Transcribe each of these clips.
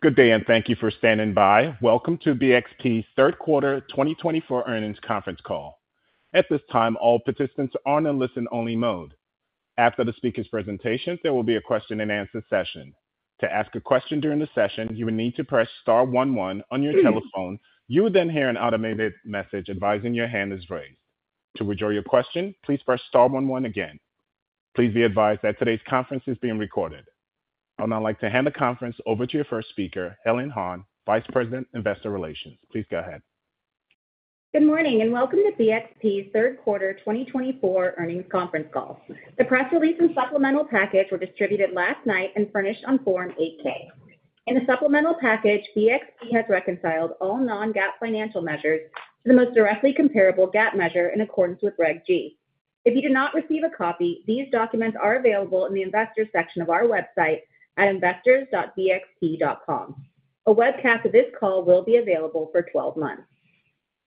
Good day, and thank you for standing by. Welcome to BXP's Third Quarter 2024 Earnings Conference Call. At this time, all participants are in listen-only mode. After the speaker's presentation, there will be a question-and-answer session. To ask a question during the session, you will need to press star 11 on your telephone. You will then hear an automated message advising your hand is raised. To withdraw your question, please press star 11 again. Please be advised that today's conference is being recorded. I would now like to hand the conference over to your first speaker, Helen Han, Vice President, Investor Relations. Please go ahead. Good morning, and welcome to BXP's Third Quarter 2024 Earnings Conference Call. The press release and supplemental package were distributed last night and furnished on Form 8-K. In the supplemental package, BXP has reconciled all non-GAAP financial measures to the most directly comparable GAAP measure in accordance with Reg G. If you did not receive a copy, these documents are available in the investors' section of our website at investors.bxp.com. A webcast of this call will be available for 12 months.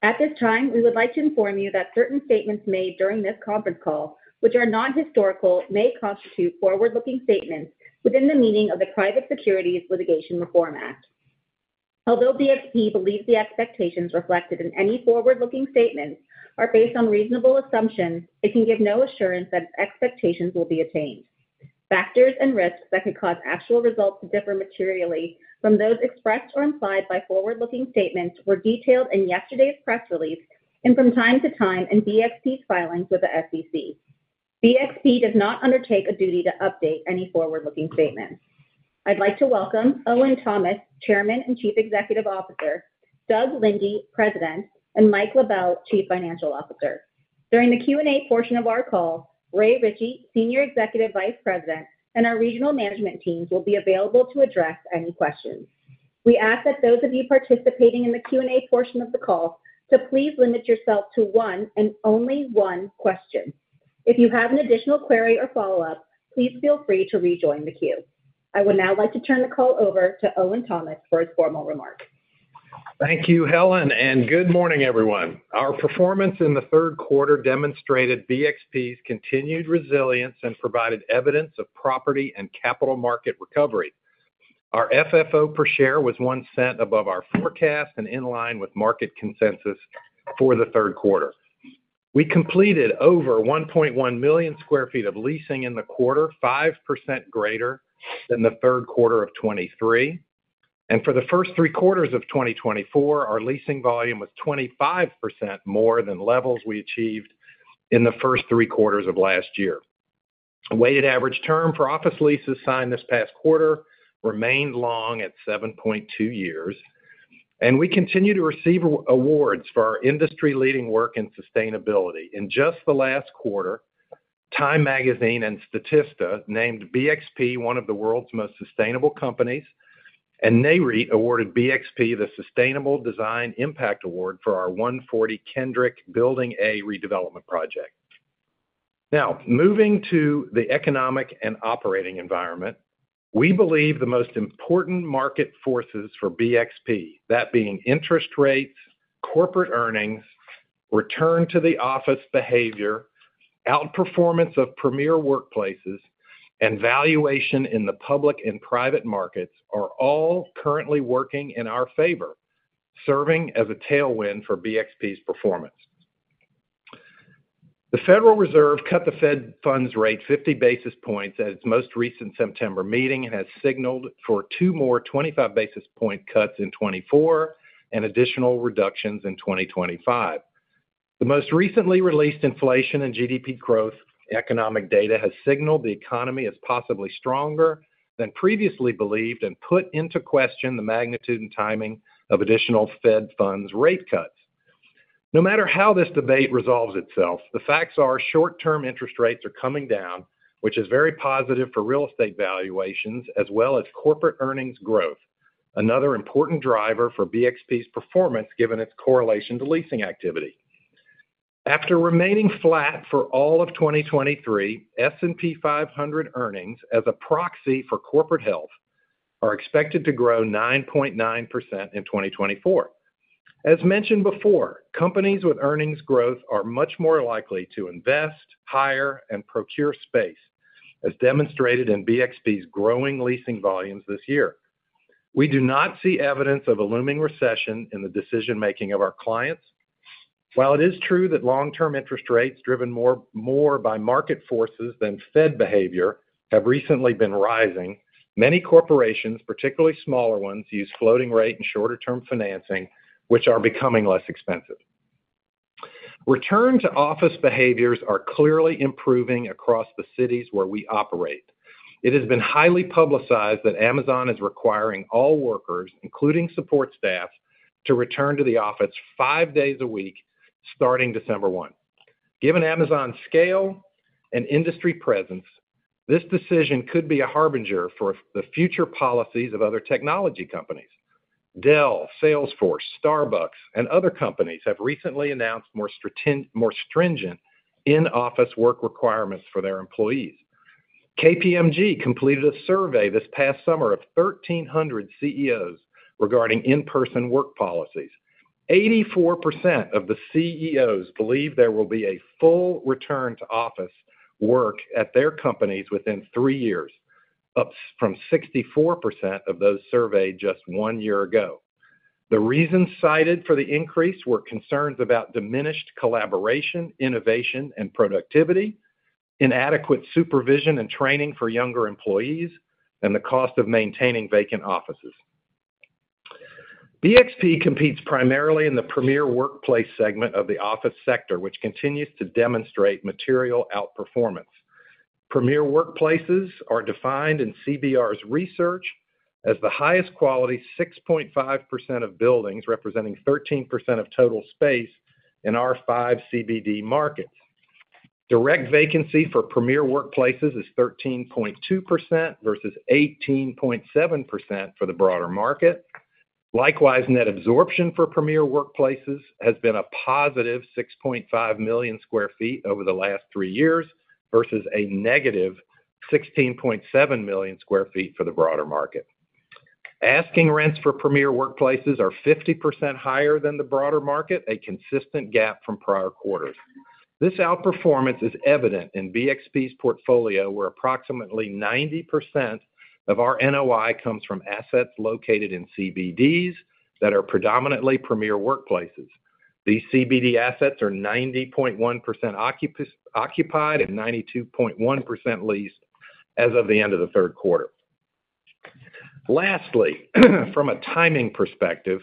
At this time, we would like to inform you that certain statements made during this conference call, which are non-historical, may constitute forward-looking statements within the meaning of the Private Securities Litigation Reform Act. Although BXP believes the expectations reflected in any forward-looking statements are based on reasonable assumptions, it can give no assurance that expectations will be attained. Factors and risks that could cause actual results to differ materially from those expressed or implied by forward-looking statements were detailed in yesterday's press release and from time to time in BXP's filings with the SEC. BXP does not undertake a duty to update any forward-looking statements. I'd like to welcome Owen Thomas, Chairman and Chief Executive Officer, Doug Linde, President, and Mike LaBelle, Chief Financial Officer. During the Q&A portion of our call, Ray Ritchey, Senior Executive Vice President, and our regional management teams will be available to address any questions. We ask that those of you participating in the Q&A portion of the call to please limit yourself to one and only one question. If you have an additional query or follow-up, please feel free to rejoin the queue. I would now like to turn the call over to Owen Thomas for his formal remark. Thank you, Helen, and good morning, everyone. Our performance in the third quarter demonstrated BXP's continued resilience and provided evidence of property and capital market recovery. Our FFO per share was $0.01 above our forecast and in line with market consensus for the third quarter. We completed over 1.1 million sq ft of leasing in the quarter, 5% greater than the third quarter of 2023. And for the first three quarters of 2024, our leasing volume was 25% more than levels we achieved in the first three quarters of last year. The weighted average term for office leases signed this past quarter remained long at 7.2 years. And we continue to receive awards for our industry-leading work in sustainability. In just the last quarter, Time Magazine and Statista named BXP one of the world's most sustainable companies, and NAREIT awarded BXP the Sustainable Design Impact Award for our 140 Kendrick Building A redevelopment project. Now, moving to the economic and operating environment, we believe the most important market forces for BXP, that being interest rates, corporate earnings, return to the office behavior, outperformance of premier workplaces, and valuation in the public and private markets, are all currently working in our favor, serving as a tailwind for BXP's performance. The Federal Reserve cut the Fed funds rate 50 basis points at its most recent September meeting and has signaled for two more 25 basis point cuts in 2024 and additional reductions in 2025. The most recently released inflation and GDP growth economic data has signaled the economy is possibly stronger than previously believed and put into question the magnitude and timing of additional Fed funds rate cuts. No matter how this debate resolves itself, the facts are short-term interest rates are coming down, which is very positive for real estate valuations as well as corporate earnings growth, another important driver for BXP's performance given its correlation to leasing activity. After remaining flat for all of 2023, S&P 500 earnings, as a proxy for corporate health, are expected to grow 9.9% in 2024. As mentioned before, companies with earnings growth are much more likely to invest, hire, and procure space, as demonstrated in BXP's growing leasing volumes this year. We do not see evidence of a looming recession in the decision-making of our clients. While it is true that long-term interest rates, driven more by market forces than Fed behavior, have recently been rising, many corporations, particularly smaller ones, use floating rate and shorter-term financing, which are becoming less expensive. Return to office behaviors are clearly improving across the cities where we operate. It has been highly publicized that Amazon is requiring all workers, including support staff, to return to the office five days a week starting December 1. Given Amazon's scale and industry presence, this decision could be a harbinger for the future policies of other technology companies. Dell, Salesforce, Starbucks, and other companies have recently announced more stringent in-office work requirements for their employees. KPMG completed a survey this past summer of 1,300 CEOs regarding in-person work policies. 84% of the CEOs believe there will be a full return to office work at their companies within three years, up from 64% of those surveyed just one year ago. The reasons cited for the increase were concerns about diminished collaboration, innovation and productivity, inadequate supervision and training for younger employees, and the cost of maintaining vacant offices. BXP competes primarily in the premier workplace segment of the office sector, which continues to demonstrate material outperformance. Premier workplaces are defined in CBRE's research as the highest quality, 6.5% of buildings representing 13% of total space in our five CBD markets. Direct vacancy for premier workplaces is 13.2% versus 18.7% for the broader market. Likewise, net absorption for premier workplaces has been a positive 6.5 million sq ft over the last three years versus a negative 16.7 million sq ft for the broader market. Asking rents for premier workplaces are 50% higher than the broader market, a consistent gap from prior quarters. This outperformance is evident in BXP's portfolio, where approximately 90% of our NOI comes from assets located in CBDs that are predominantly premier workplaces. These CBD assets are 90.1% occupied and 92.1% leased as of the end of the third quarter. Lastly, from a timing perspective,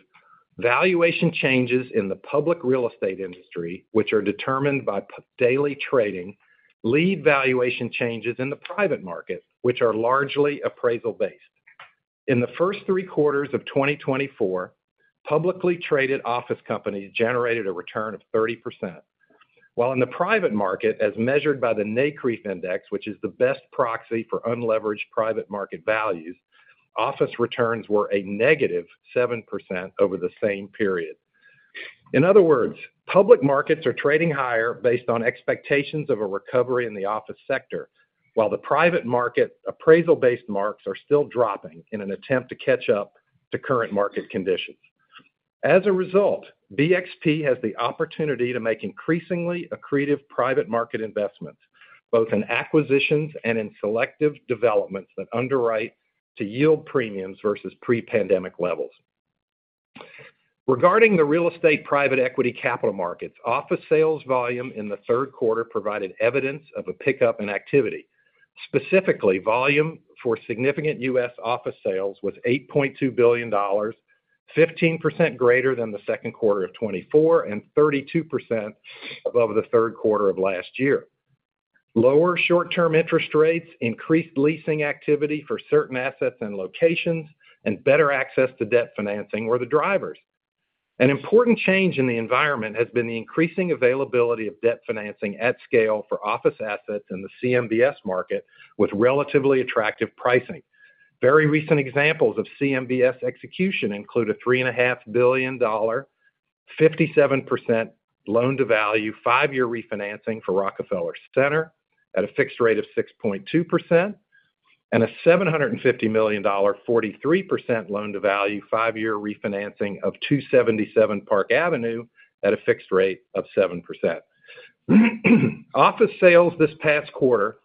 valuation changes in the public real estate industry, which are determined by daily trading, lead valuation changes in the private market, which are largely appraisal-based. In the first three quarters of 2024, publicly traded office companies generated a return of 30%. While in the private market, as measured by the NCREIF Index, which is the best proxy for unleveraged private market values, office returns were a negative 7% over the same period. In other words, public markets are trading higher based on expectations of a recovery in the office sector, while the private market appraisal-based marks are still dropping in an attempt to catch up to current market conditions. As a result, BXP has the opportunity to make increasingly accretive private market investments, both in acquisitions and in selective developments that underwrite to yield premiums versus pre-pandemic levels. Regarding the real estate private equity capital markets, office sales volume in the third quarter provided evidence of a pickup in activity. Specifically, volume for significant U.S. office sales was $8.2 billion, 15% greater than the second quarter of 2024 and 32% above the third quarter of last year. Lower short-term interest rates, increased leasing activity for certain assets and locations, and better access to debt financing were the drivers. An important change in the environment has been the increasing availability of debt financing at scale for office assets in the CMBS market with relatively attractive pricing. Very recent examples of CMBS execution include a $3.5 billion, 57% loan-to-value five-year refinancing for Rockefeller Center at a fixed rate of 6.2%, and a $750 million, 43% loan-to-value five-year refinancing of 277 Park Avenue at a fixed rate of 7%. Office sales this past quarter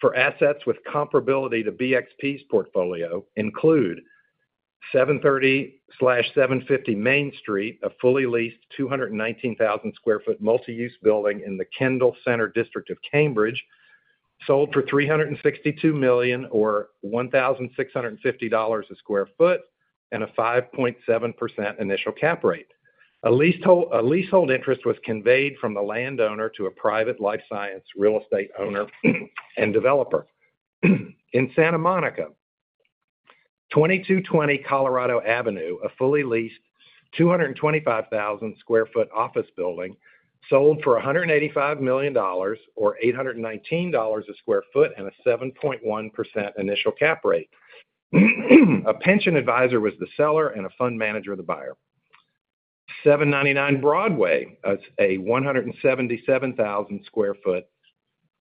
for assets with comparability to BXP's portfolio include 730/750 Main Street, a fully leased, 219,000 sq ft multi-use building in the Kendall Center District of Cambridge, sold for $362 million, or $1,650 a sq ft, and a 5.7% initial cap rate. A leasehold interest was conveyed from the landowner to a private life science real estate owner and developer. In Santa Monica, 2220 Colorado Avenue, a fully leased, 225,000 sq ft office building sold for $185 million, or $819/sq ft and a 7.1% initial cap rate. A pension advisor was the seller and a fund manager the buyer. 799 Broadway, a 177,000 sq ft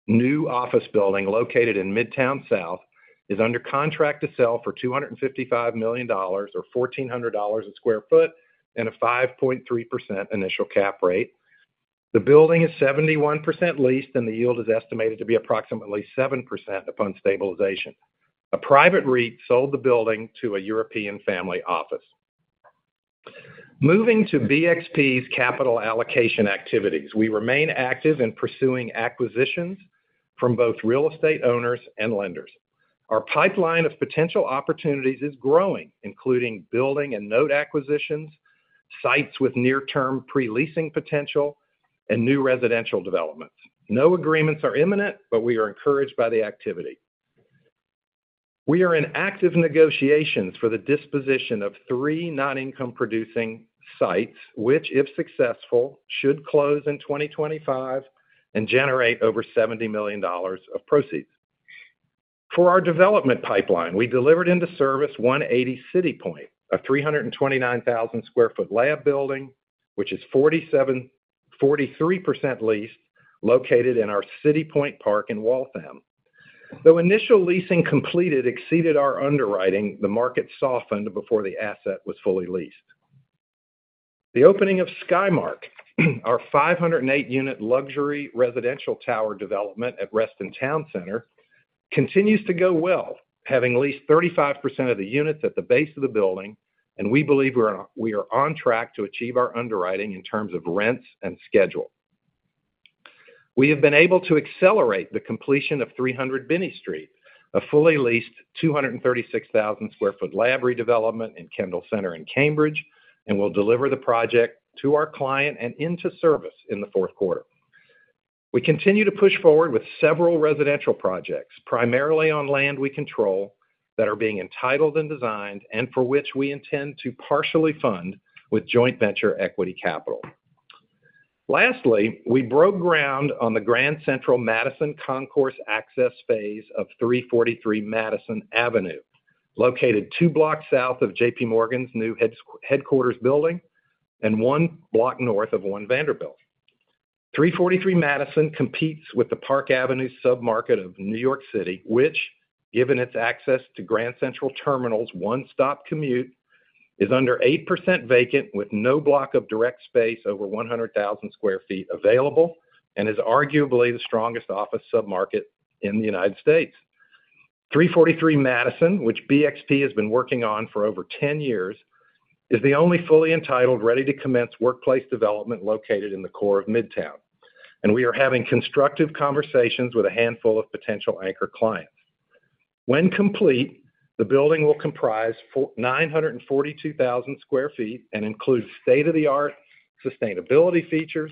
new office building located in Midtown South, is under contract to sell for $255 million, or $1,400/sq ft and a 5.3% initial cap rate. The building is 71% leased, and the yield is estimated to be approximately 7% upon stabilization. A private REIT sold the building to a European family office. Moving to BXP's capital allocation activities, we remain active in pursuing acquisitions from both real estate owners and lenders. Our pipeline of potential opportunities is growing, including building and note acquisitions, sites with near-term pre-leasing potential, and new residential developments. No agreements are imminent, but we are encouraged by the activity. We are in active negotiations for the disposition of three non-income-producing sites, which, if successful, should close in 2025 and generate over $70 million of proceeds. For our development pipeline, we delivered into service 180 CityPoint, a 329,000 sq ft lab building, which is 43% leased, located in our CityPoint in Waltham. Though initial leasing completed exceeded our underwriting, the market softened before the asset was fully leased. The opening of Skymark, our 508-unit luxury residential tower development at Reston Town Center, continues to go well, having leased 35% of the units at the base of the building, and we believe we are on track to achieve our underwriting in terms of rents and schedule. We have been able to accelerate the completion of 300 Binney Street, a fully leased, 236,000 sq ft lab redevelopment in Kendall Center in Cambridge, and will deliver the project to our client and into service in the fourth quarter. We continue to push forward with several residential projects, primarily on land we control, that are being entitled and designed and for which we intend to partially fund with joint venture equity capital. Lastly, we broke ground on the Grand Central Madison Concourse access phase of 343 Madison Avenue, located two blocks south of J.P. Morgan's new headquarters building and one block north of One Vanderbilt. 343 Madison competes with the Park Avenue submarket of New York City, which, given its access to Grand Central Terminal's one-stop commute, is under 8% vacant, with no block of direct space over 100,000 sq ft available and is arguably the strongest office submarket in the United States. 343 Madison, which BXP has been working on for over 10 years, is the only fully entitled, ready-to-commence workplace development located in the core of Midtown, and we are having constructive conversations with a handful of potential anchor clients. When complete, the building will comprise 942,000 sq ft and include state-of-the-art sustainability features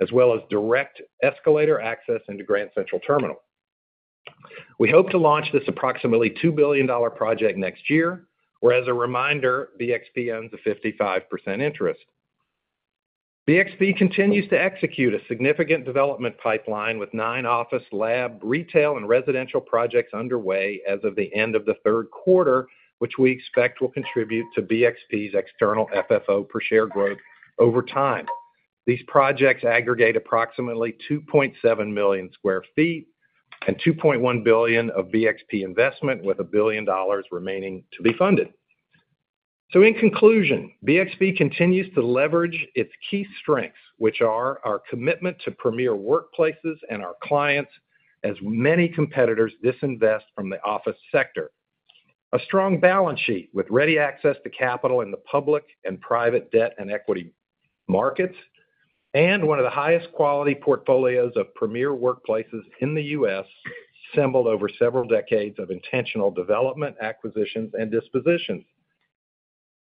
as well as direct escalator access into Grand Central Terminal. We hope to launch this approximately $2 billion project next year, where, as a reminder, BXP owns a 55% interest. BXP continues to execute a significant development pipeline with nine office, lab, retail, and residential projects underway as of the end of the third quarter, which we expect will contribute to BXP's external FFO per share growth over time. These projects aggregate approximately 2.7 million sq ft and $2.1 billion of BXP investment, with $1 billion remaining to be funded. In conclusion, BXP continues to leverage its key strengths, which are our commitment to premier workplaces and our clients as many competitors disinvest from the office sector, a strong balance sheet with ready access to capital in the public and private debt and equity markets, and one of the highest quality portfolios of premier workplaces in the U.S. assembled over several decades of intentional development, acquisitions, and dispositions.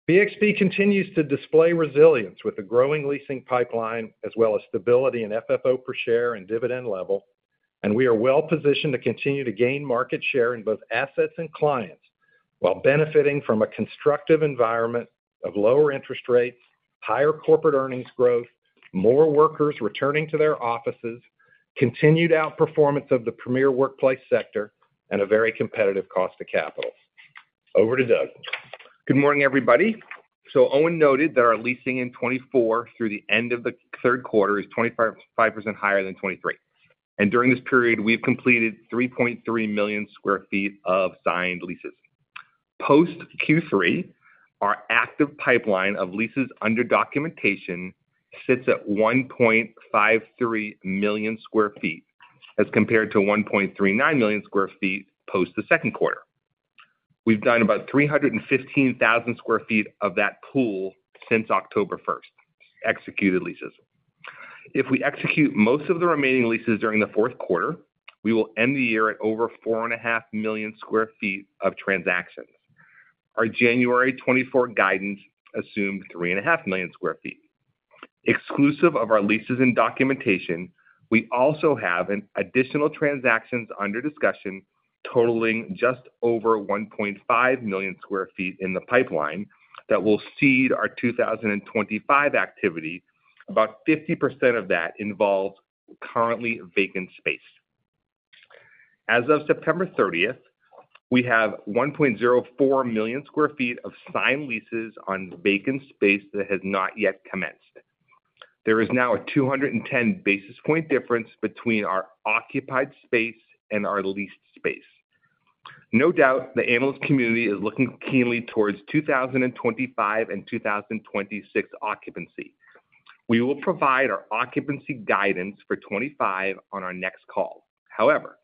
BXP continues to display resilience with a growing leasing pipeline as well as stability in FFO per share and dividend level, and we are well positioned to continue to gain market share in both assets and clients while benefiting from a constructive environment of lower interest rates, higher corporate earnings growth, more workers returning to their offices, continued outperformance of the premier workplace sector, and a very competitive cost of capital. Over to Doug. Good morning, everybody. Owen noted that our leasing in 2024 through the end of the third quarter is 25% higher than 2023. During this period, we've completed 3.3 million sq ft of signed leases. Post Q3, our active pipeline of leases under documentation sits at 1.53 million sq ft as compared to 1.39 million sq ft post the second quarter. We've done about 315,000 sq ft of that pool since October 1, executed leases. If we execute most of the remaining leases during the fourth quarter, we will end the year at over 4.5 million sq ft of transactions. Our January 2024 guidance assumed 3.5 million sq ft. Exclusive of our leases and documentation, we also have additional transactions under discussion totaling just over 1.5 million sq ft in the pipeline that will seed our 2025 activity. About 50% of that involves currently vacant space. As of September 30, we have 1.04 million sq ft of signed leases on vacant space that has not yet commenced. There is now a 210 basis point difference between our occupied space and our leased space. No doubt, the analyst community is looking keenly towards 2025 and 2026 occupancy. We will provide our occupancy guidance for 2025 on our next call. However,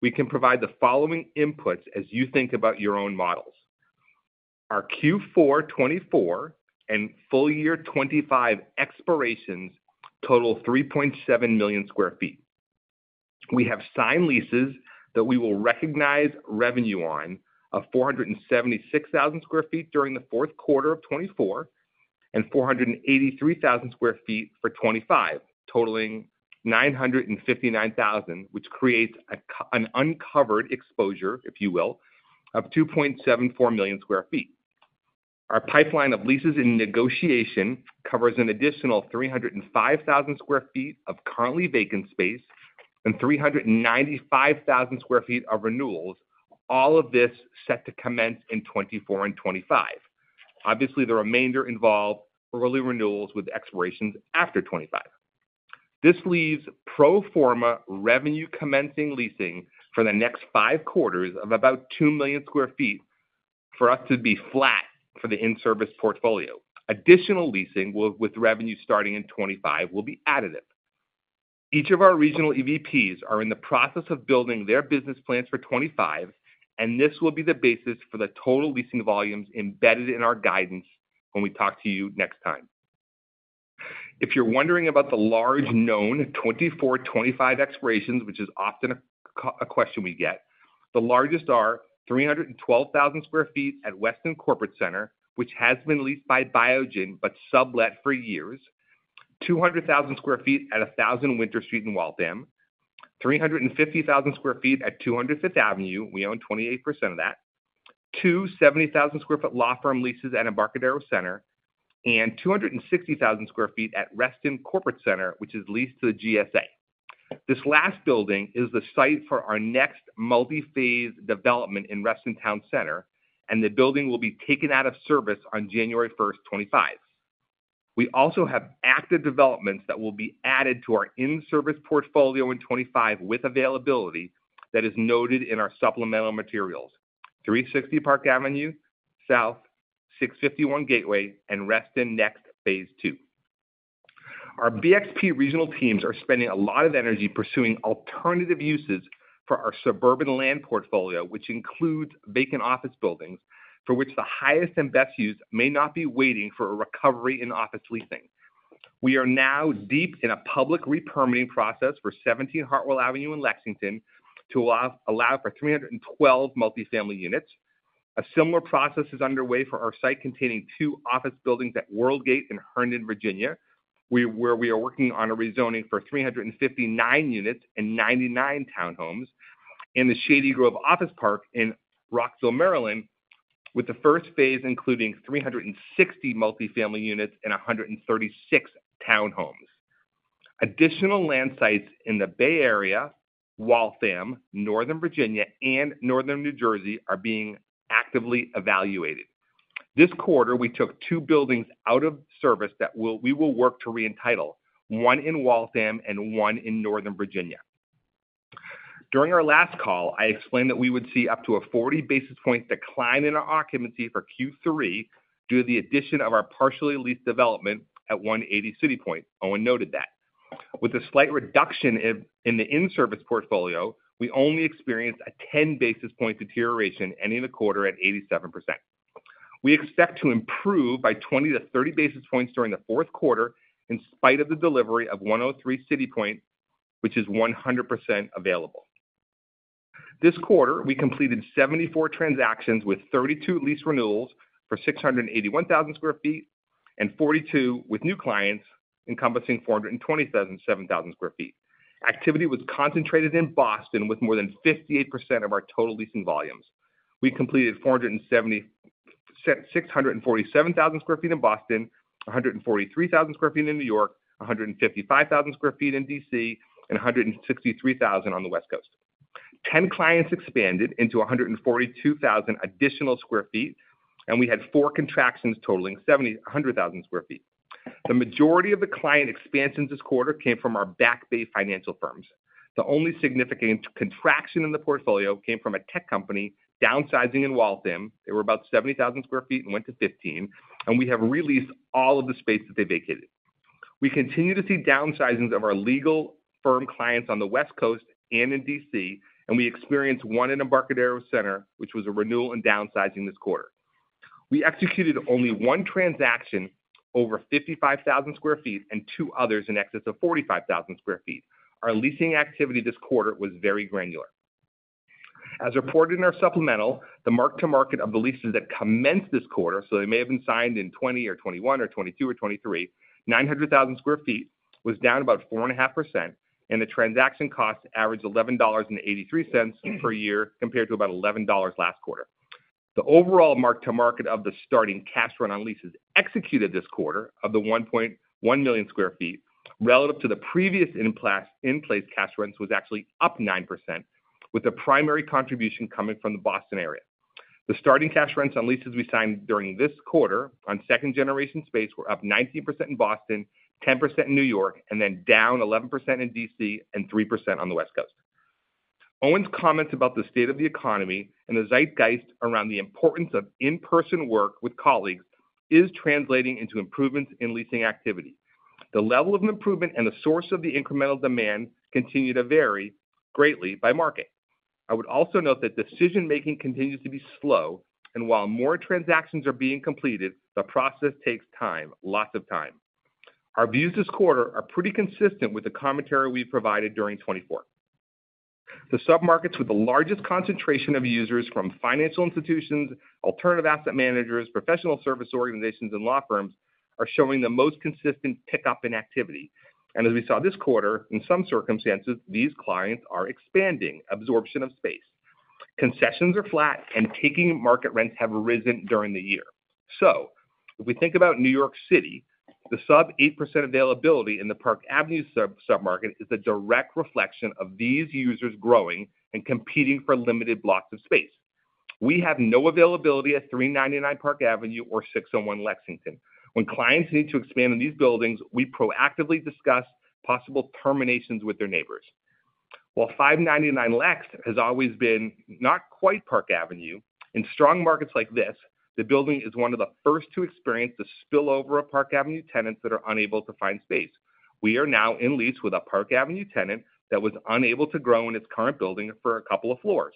we can provide the following inputs as you think about your own models. Our Q4 2024 and full year 2025 expirations total 3.7 million sq ft. We have signed leases that we will recognize revenue on of 476,000 sq ft during the fourth quarter of 2024 and 483,000 sq ft for 2025, totaling 959,000, which creates an uncovered exposure, if you will, of 2.74 million sq ft. Our pipeline of leases in negotiation covers an additional 305,000 sq ft of currently vacant space and 395,000 sq ft of renewals, all of this set to commence in 2024 and 2025. Obviously, the remainder involves early renewals with expirations after 2025. This leaves pro forma revenue commencing leasing for the next five quarters of about 2 million sq ft for us to be flat for the in-service portfolio. Additional leasing with revenue starting in 2025 will be additive. Each of our regional EVPs are in the process of building their business plans for 2025, and this will be the basis for the total leasing volumes embedded in our guidance when we talk to you next time. If you're wondering about the large known 2024-2025 expirations, which is often a question we get, the largest are 312,000 sq ft at Weston Corporate Center, which has been leased by Biogen but sublet for years, 200,000 sq ft at 1000 Winter Street in Waltham, 350,000 sq ft at 200 Fifth Avenue. We own 28% of that, 270,000 sq ft law firm leases at Embarcadero Center, and 260,000 sq ft at Reston Corporate Center, which is leased to the GSA. This last building is the site for our next multi-phase development in Reston Town Center, and the building will be taken out of service on January 1, 2025. We also have active developments that will be added to our in-service portfolio in 2025 with availability that is noted in our supplemental materials: 360 Park Avenue South, 651 Gateway, and Reston Next Phase 2. Our BXP regional teams are spending a lot of energy pursuing alternative uses for our suburban land portfolio, which includes vacant office buildings for which the highest and best use may not be waiting for a recovery in office leasing. We are now deep in a public repermitting process for 17 Hartwell Avenue in Lexington to allow for 312 multifamily units. A similar process is underway for our site containing two office buildings at Worldgate in Herndon, Virginia, where we are working on a rezoning for 359 units and 99 townhomes in the Shady Grove Office Park in Rockville, Maryland, with the first phase including 360 multifamily units and 136 townhomes. Additional land sites in the Bay Area, Waltham, Northern Virginia, and Northern New Jersey are being actively evaluated. This quarter, we took two buildings out of service that we will work to re-entitle, one in Waltham and one in Northern Virginia. During our last call, I explained that we would see up to a 40 basis point decline in our occupancy for Q3 due to the addition of our partially leased development at 180 CityPoint. Owen noted that. With a slight reduction in the in-service portfolio, we only experienced a 10 basis point deterioration ending the quarter at 87%. We expect to improve by 20-30 basis points during the fourth quarter in spite of the delivery of 103 CityPoint, which is 100% available. This quarter, we completed 74 transactions with 32 lease renewals for 681,000 sq ft and 42 with new clients encompassing 427,000 sq ft. Activity was concentrated in Boston with more than 58% of our total leasing volumes. We completed 647,000 sq ft in Boston, 143,000 sq ft in New York, 155,000 sq ft in DC, and 163,000 sq ft on the West Coast. 10 clients expanded into 142,000 additional sq ft, and we had four contractions totaling 100,000 sq ft. The majority of the client expansions this quarter came from our Back Bay financial firms. The only significant contraction in the portfolio came from a tech company downsizing in Waltham. They were about 70,000 sq ft and went to 15, and we have released all of the space that they vacated. We continue to see downsizings of our legal firm clients on the West Coast and in DC, and we experienced one in Embarcadero Center, which was a renewal and downsizing this quarter. We executed only one transaction over 55,000 sq ft and two others in excess of 45,000 sq ft. Our leasing activity this quarter was very granular. As reported in our supplemental, the mark-to-market of the leases that commenced this quarter, so they may have been signed in 2020 or 2021 or 2022 or 2023, 900,000 sq ft was down about 4.5%, and the transaction cost averaged $11.83 per year compared to about $11 last quarter. The overall mark-to-market of the starting cash run on leases executed this quarter of the 1.1 million sq ft relative to the previous in-place cash rents was actually up 9%, with the primary contribution coming from the Boston area. The starting cash rents on leases we signed during this quarter on second-generation space were up 19% in Boston, 10% in New York, and then down 11% in DC and 3% on the West Coast. Owen's comments about the state of the economy and the zeitgeist around the importance of in-person work with colleagues is translating into improvements in leasing activity. The level of improvement and the source of the incremental demand continue to vary greatly by market. I would also note that decision-making continues to be slow, and while more transactions are being completed, the process takes time, lots of time. Our views this quarter are pretty consistent with the commentary we provided during 2024. The submarkets with the largest concentration of users from financial institutions, alternative asset managers, professional service organizations, and law firms are showing the most consistent pickup in activity. And as we saw this quarter, in some circumstances, these clients are expanding absorption of space. Concessions are flat, and taking market rents have risen during the year. So, if we think about New York City, the sub 8% availability in the Park Avenue submarket is a direct reflection of these users growing and competing for limited blocks of space. We have no availability at 399 Park Avenue or 601 Lexington. When clients need to expand in these buildings, we proactively discuss possible terminations with their neighbors. While 599 Lex has always been not quite Park Avenue, in strong markets like this, the building is one of the first to experience the spillover of Park Avenue tenants that are unable to find space. We are now in lease with a Park Avenue tenant that was unable to grow in its current building for a couple of floors.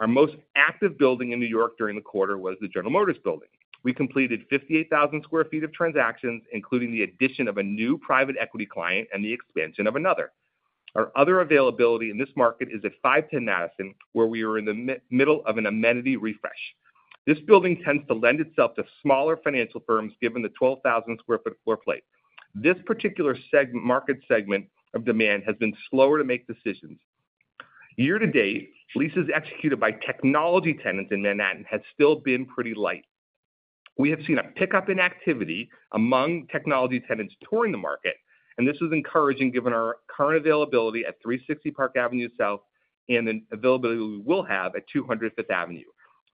Our most active building in New York during the quarter was the General Motors Building. We completed 58,000 sq ft of transactions, including the addition of a new private equity client and the expansion of another. Our other availability in this market is at 510 Madison, where we are in the middle of an amenity refresh. This building tends to lend itself to smaller financial firms given the 12,000 sq ft floor plate. This particular market segment of demand has been slower to make decisions. Year to date, leases executed by technology tenants in Manhattan have still been pretty light. We have seen a pickup in activity among technology tenants touring the market, and this is encouraging given our current availability at 360 Park Avenue South and the availability we will have at 200 Fifth Avenue.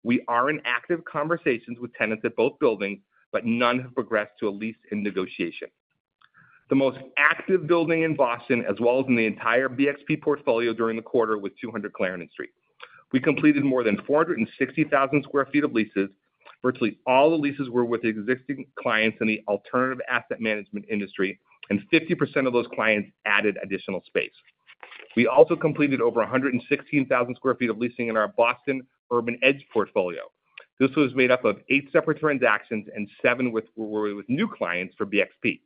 We are in active conversations with tenants at both buildings, but none have progressed to a lease in negotiation. The most active building in Boston, as well as in the entire BXP portfolio during the quarter, was 200 Clarendon Street. We completed more than 460,000 sq ft of leases. Virtually all the leases were with existing clients in the alternative asset management industry, and 50% of those clients added additional space. We also completed over 116,000 sq ft of leasing in our Boston Urban Edge portfolio. This was made up of eight separate transactions and seven were with new clients for BXP.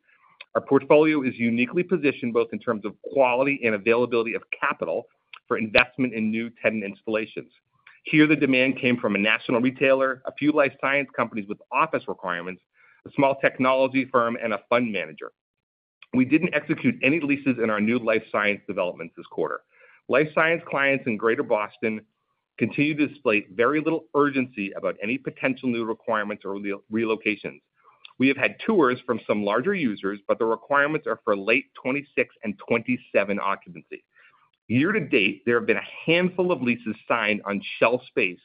Our portfolio is uniquely positioned both in terms of quality and availability of capital for investment in new tenant installations. Here, the demand came from a national retailer, a few life science companies with office requirements, a small technology firm, and a fund manager. We didn't execute any leases in our new life science developments this quarter. Life science clients in greater Boston continue to display very little urgency about any potential new requirements or relocations. We have had tours from some larger users, but the requirements are for late 2026 and 2027 occupancy. Year to date, there have been a handful of leases signed on shelf space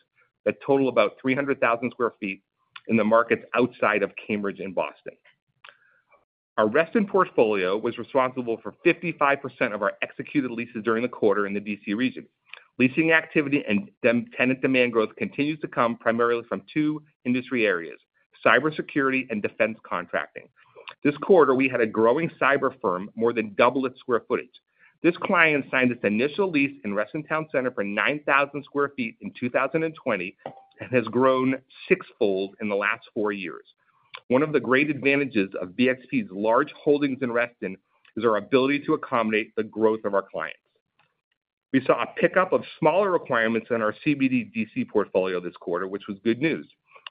that total about 300,000 sq ft in the markets outside of Cambridge and Boston. Our Reston portfolio was responsible for 55% of our executed leases during the quarter in the DC region. Leasing activity and tenant demand growth continues to come primarily from two industry areas: cybersecurity and defense contracting. This quarter, we had a growing cyber firm more than double its square footage. This client signed its initial lease in Reston Town Center for 9,000 sq ft in 2020 and has grown sixfold in the last four years. One of the great advantages of BXP's large holdings in Reston is our ability to accommodate the growth of our clients. We saw a pickup of smaller requirements in our CBD DC portfolio this quarter, which was good news.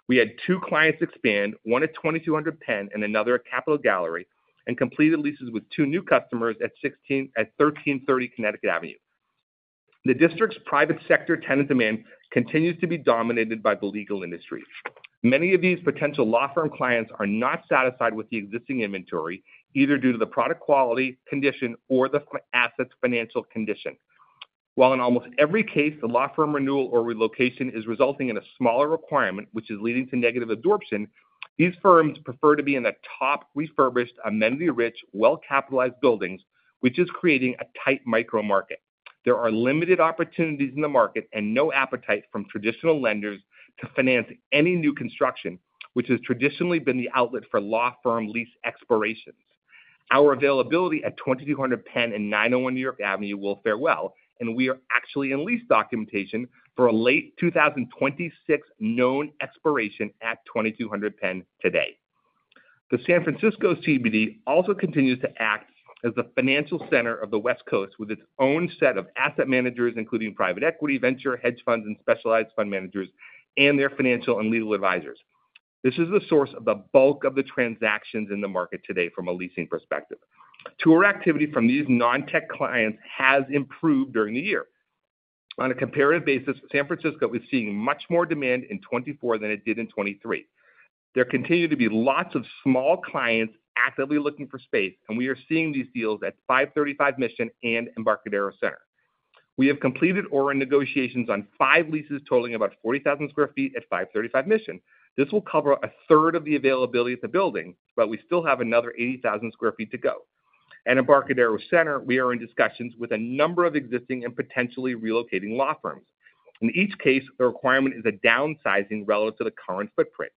We had two clients expand, one at 2200 Penn and another at Capital Gallery, and completed leases with two new customers at 1330 Connecticut Avenue. The District's private sector tenant demand continues to be dominated by the legal industry. Many of these potential law firm clients are not satisfied with the existing inventory, either due to the product quality, condition, or the asset's financial condition. While in almost every case, the law firm renewal or relocation is resulting in a smaller requirement, which is leading to negative absorption, these firms prefer to be in the top refurbished, amenity-rich, well-capitalized buildings, which is creating a tight micro market. There are limited opportunities in the market and no appetite from traditional lenders to finance any new construction, which has traditionally been the outlet for law firm lease expirations. Our availability at 2200 Penn and 901 New York Avenue will fare well, and we are actually in lease documentation for a late 2026 known expiration at 2200 Penn today. The San Francisco CBD also continues to act as the financial center of the West Coast with its own set of asset managers, including private equity, venture, hedge funds, and specialized fund managers, and their financial and legal advisors. This is the source of the bulk of the transactions in the market today from a leasing perspective. Tour activity from these non-tech clients has improved during the year. On a comparative basis, San Francisco is seeing much more demand in 2024 than it did in 2023. There continue to be lots of small clients actively looking for space, and we are seeing these deals at 535 Mission Street and Embarcadero Center. We have completed oral negotiations on five leases totaling about 40,000 sq ft at 535 Mission Street. This will cover a third of the availability at the building, but we still have another 80,000 sq ft to go. At Embarcadero Center, we are in discussions with a number of existing and potentially relocating law firms. In each case, the requirement is a downsizing relative to the current footprint.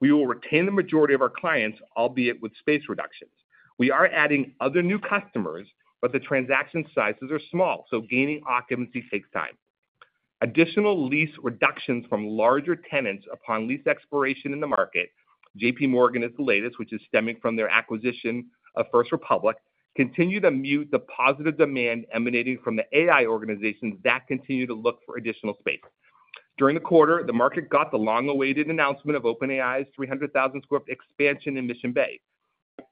We will retain the majority of our clients, albeit with space reductions. We are adding other new customers, but the transaction sizes are small, so gaining occupancy takes time. Additional lease reductions from larger tenants upon lease expiration in the market, JPMorgan is the latest, which is stemming from their acquisition of First Republic, continue to mute the positive demand emanating from the AI organizations that continue to look for additional space. During the quarter, the market got the long-awaited announcement of OpenAI's 300,000 sq ft expansion in Mission Bay.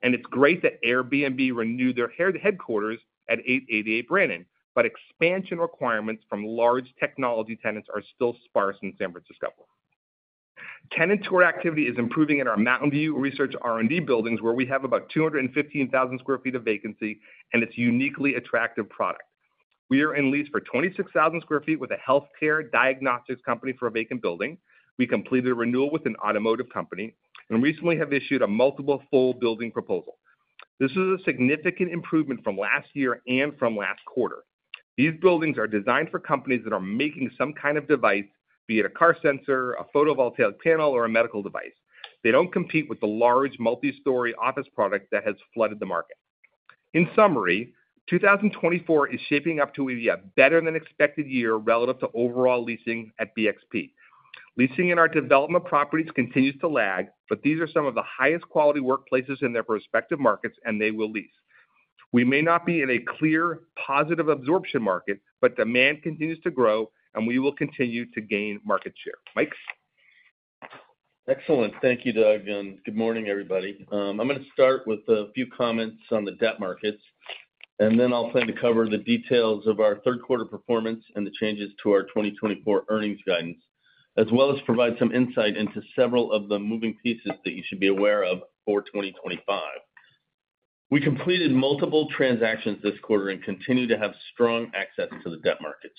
It's great that Airbnb renewed their headquarters at 888 Brannan, but expansion requirements from large technology tenants are still sparse in San Francisco. Tenant tour activity is improving in our Mountain View Research R&D buildings, where we have about 215,000 sq ft of vacancy and its uniquely attractive product. We are in lease for 26,000 sq ft with a healthcare diagnostics company for a vacant building. We completed a renewal with an automotive company and recently have issued a multiple full building proposal. This is a significant improvement from last year and from last quarter. These buildings are designed for companies that are making some kind of device, be it a car sensor, a photovoltaic panel, or a medical device. They don't compete with the large multi-story office product that has flooded the market. In summary, 2024 is shaping up to be a better-than-expected year relative to overall leasing at BXP. Leasing in our development properties continues to lag, but these are some of the highest quality workplaces in their prospective markets, and they will lease. We may not be in a clear positive absorption market, but demand continues to grow, and we will continue to gain market share. Mike. Excellent. Thank you, Doug, and good morning, everybody. I'm going to start with a few comments on the debt markets, and then I'll plan to cover the details of our third quarter performance and the changes to our 2024 earnings guidance, as well as provide some insight into several of the moving pieces that you should be aware of for 2025. We completed multiple transactions this quarter and continue to have strong access to the debt markets.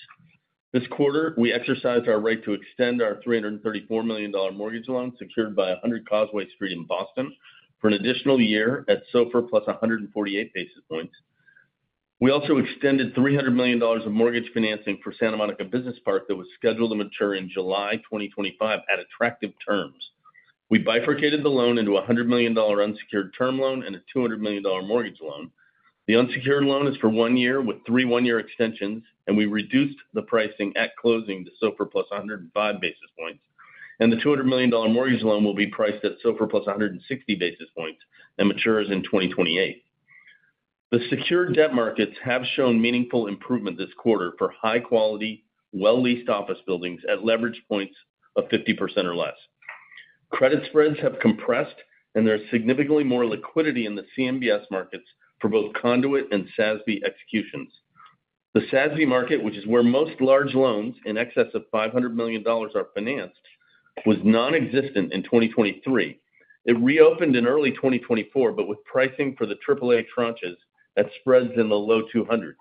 This quarter, we exercised our right to extend our $334 million mortgage loan secured by 100 Causeway Street in Boston for an additional year at SOFR plus 148 basis points. We also extended $300 million of mortgage financing for Santa Monica Business Park that was scheduled to mature in July 2025 at attractive terms. We bifurcated the loan into a $100 million unsecured term loan and a $200 million mortgage loan. The unsecured loan is for one year with three one-year extensions, and we reduced the pricing at closing to SOFR plus 105 basis points, and the $200 million mortgage loan will be priced at SOFR plus 160 basis points and matures in 2028. The secured debt markets have shown meaningful improvement this quarter for high-quality, well-leased office buildings at leverage points of 50% or less. Credit spreads have compressed, and there is significantly more liquidity in the CMBS markets for both conduit and SASB executions. The SASB market, which is where most large loans in excess of $500 million are financed, was nonexistent in 2023. It reopened in early 2024, but with pricing for the AAA tranches that spreads in the low 200s.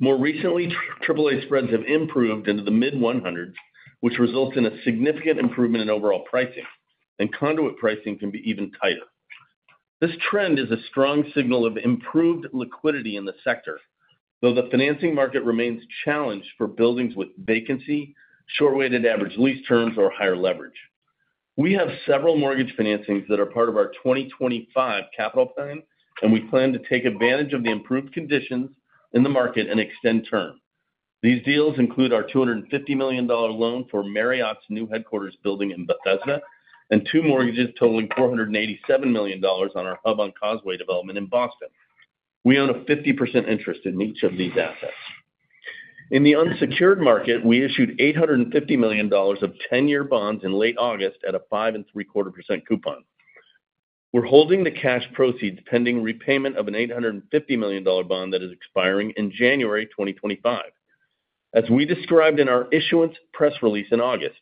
More recently, AAA spreads have improved into the mid-100s, which results in a significant improvement in overall pricing, and conduit pricing can be even tighter. This trend is a strong signal of improved liquidity in the sector, though the financing market remains challenged for buildings with vacancy, short-weighted average lease terms, or higher leverage. We have several mortgage financings that are part of our 2025 capital plan, and we plan to take advantage of the improved conditions in the market and extend term. These deals include our $250 million loan for Marriott's new headquarters building in Bethesda and two mortgages totaling $487 million on our Hub on Causeway development in Boston. We own a 50% interest in each of these assets. In the unsecured market, we issued $850 million of 10-year bonds in late August at a 5.25% coupon. We're holding the cash proceeds pending repayment of an $850 million bond that is expiring in January 2025. As we described in our issuance press release in August,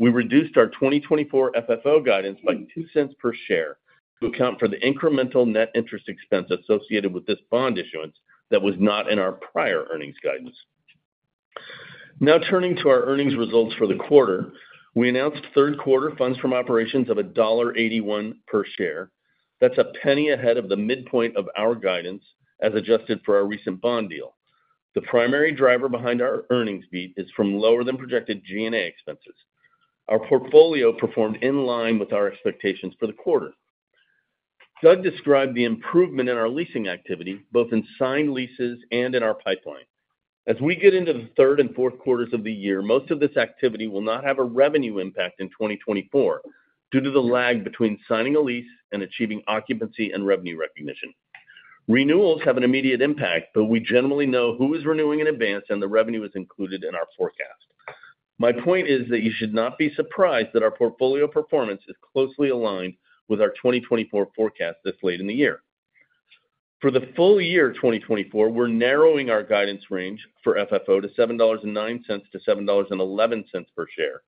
we reduced our 2024 FFO guidance by $0.02 per share to account for the incremental net interest expense associated with this bond issuance that was not in our prior earnings guidance. Now turning to our earnings results for the quarter, we announced third quarter funds from operations of $1.81 per share. That's $0.01 ahead of the midpoint of our guidance as adjusted for our recent bond deal. The primary driver behind our earnings beat is from lower than projected G&A expenses. Our portfolio performed in line with our expectations for the quarter. Doug described the improvement in our leasing activity, both in signed leases and in our pipeline. As we get into the third and fourth quarters of the year, most of this activity will not have a revenue impact in 2024 due to the lag between signing a lease and achieving occupancy and revenue recognition. Renewals have an immediate impact, but we generally know who is renewing in advance, and the revenue is included in our forecast. My point is that you should not be surprised that our portfolio performance is closely aligned with our 2024 forecast this late in the year. For the full year 2024, we're narrowing our guidance range for FFO to $7.09-$7.11 per share.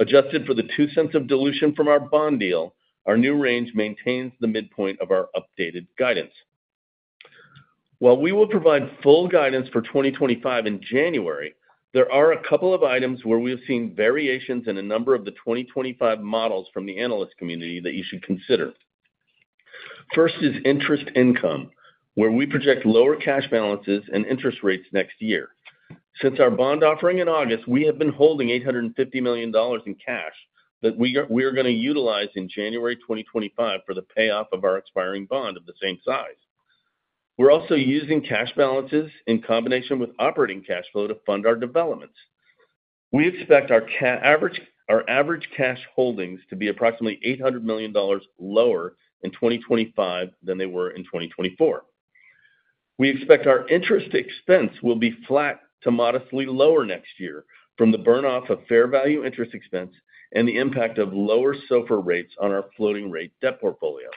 Adjusted for the $0.02 of dilution from our bond deal, our new range maintains the midpoint of our updated guidance. While we will provide full guidance for 2025 in January, there are a couple of items where we have seen variations in a number of the 2025 models from the analyst community that you should consider. First is interest income, where we project lower cash balances and interest rates next year. Since our bond offering in August, we have been holding $850 million in cash that we are going to utilize in January 2025 for the payoff of our expiring bond of the same size. We're also using cash balances in combination with operating cash flow to fund our developments. We expect our average cash holdings to be approximately $800 million lower in 2025 than they were in 2024. We expect our interest expense will be flat to modestly lower next year from the burn-off of fair value interest expense and the impact of lower SOFR rates on our floating rate debt portfolio.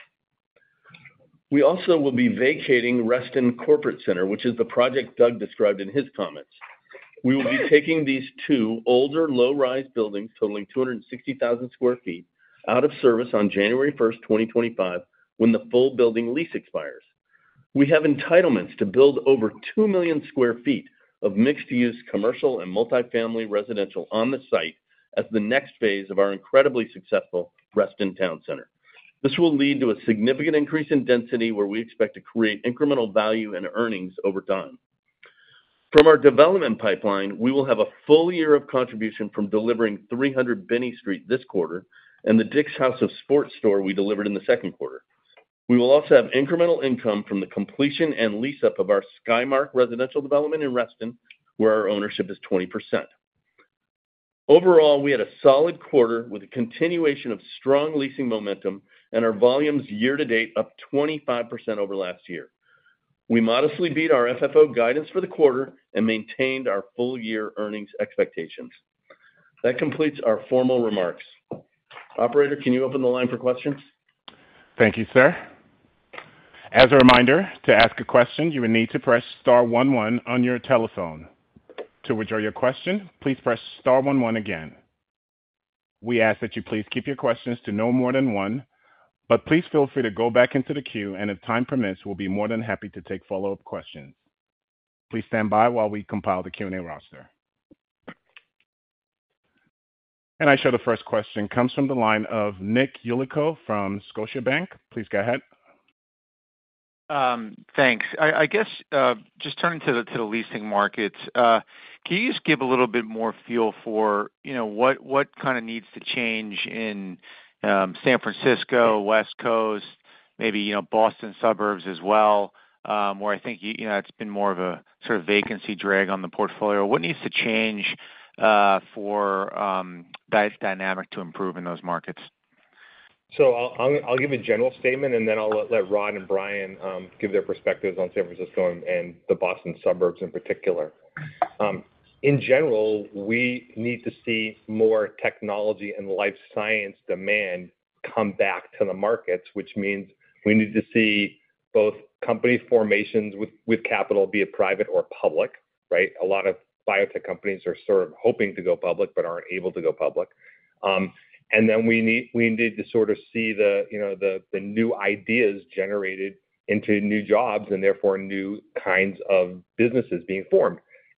We also will be vacating Reston Corporate Center, which is the project Doug described in his comments. We will be taking these two older low-rise buildings totaling 260,000 sq ft out of service on January 1, 2025, when the full building lease expires. We have entitlements to build over 2 million sq ft of mixed-use commercial and multi-family residential on the site as the next phase of our incredibly successful Reston Town Center. This will lead to a significant increase in density, where we expect to create incremental value and earnings over time. From our development pipeline, we will have a full year of contribution from delivering 300 Binney Street this quarter and the Dick's House of Sport we delivered in the second quarter. We will also have incremental income from the completion and lease-up of our Skymark residential development in Reston, where our ownership is 20%. Overall, we had a solid quarter with a continuation of strong leasing momentum and our volumes year-to-date up 25% over last year. We modestly beat our FFO guidance for the quarter and maintained our full-year earnings expectations. That completes our formal remarks. Operator, can you open the line for questions? Thank you, sir. As a reminder, to ask a question, you will need to press star 11 on your telephone. To withdraw your question, please press star 11 again. We ask that you please keep your questions to no more than one, but please feel free to go back into the queue, and if time permits, we'll be more than happy to take follow-up questions. Please stand by while we compile the Q&A roster. And I see the first question comes from the line of Nick Yulico from Scotiabank. Please go ahead. Thanks. I guess just turning to the leasing markets, can you just give a little bit more feel for what kind of needs to change in San Francisco, West Coast, maybe Boston suburbs as well, where I think it's been more of a sort of vacancy drag on the portfolio? What needs to change for that dynamic to improve in those markets? So I'll give a general statement, and then I'll let Rod and Bryan give their perspectives on San Francisco and the Boston suburbs in particular. In general, we need to see more technology and life science demand come back to the markets, which means we need to see both company formations with capital, be it private or public, right? A lot of biotech companies are sort of hoping to go public but aren't able to go public. And then we need to sort of see the new ideas generated into new jobs and therefore new kinds of businesses being formed.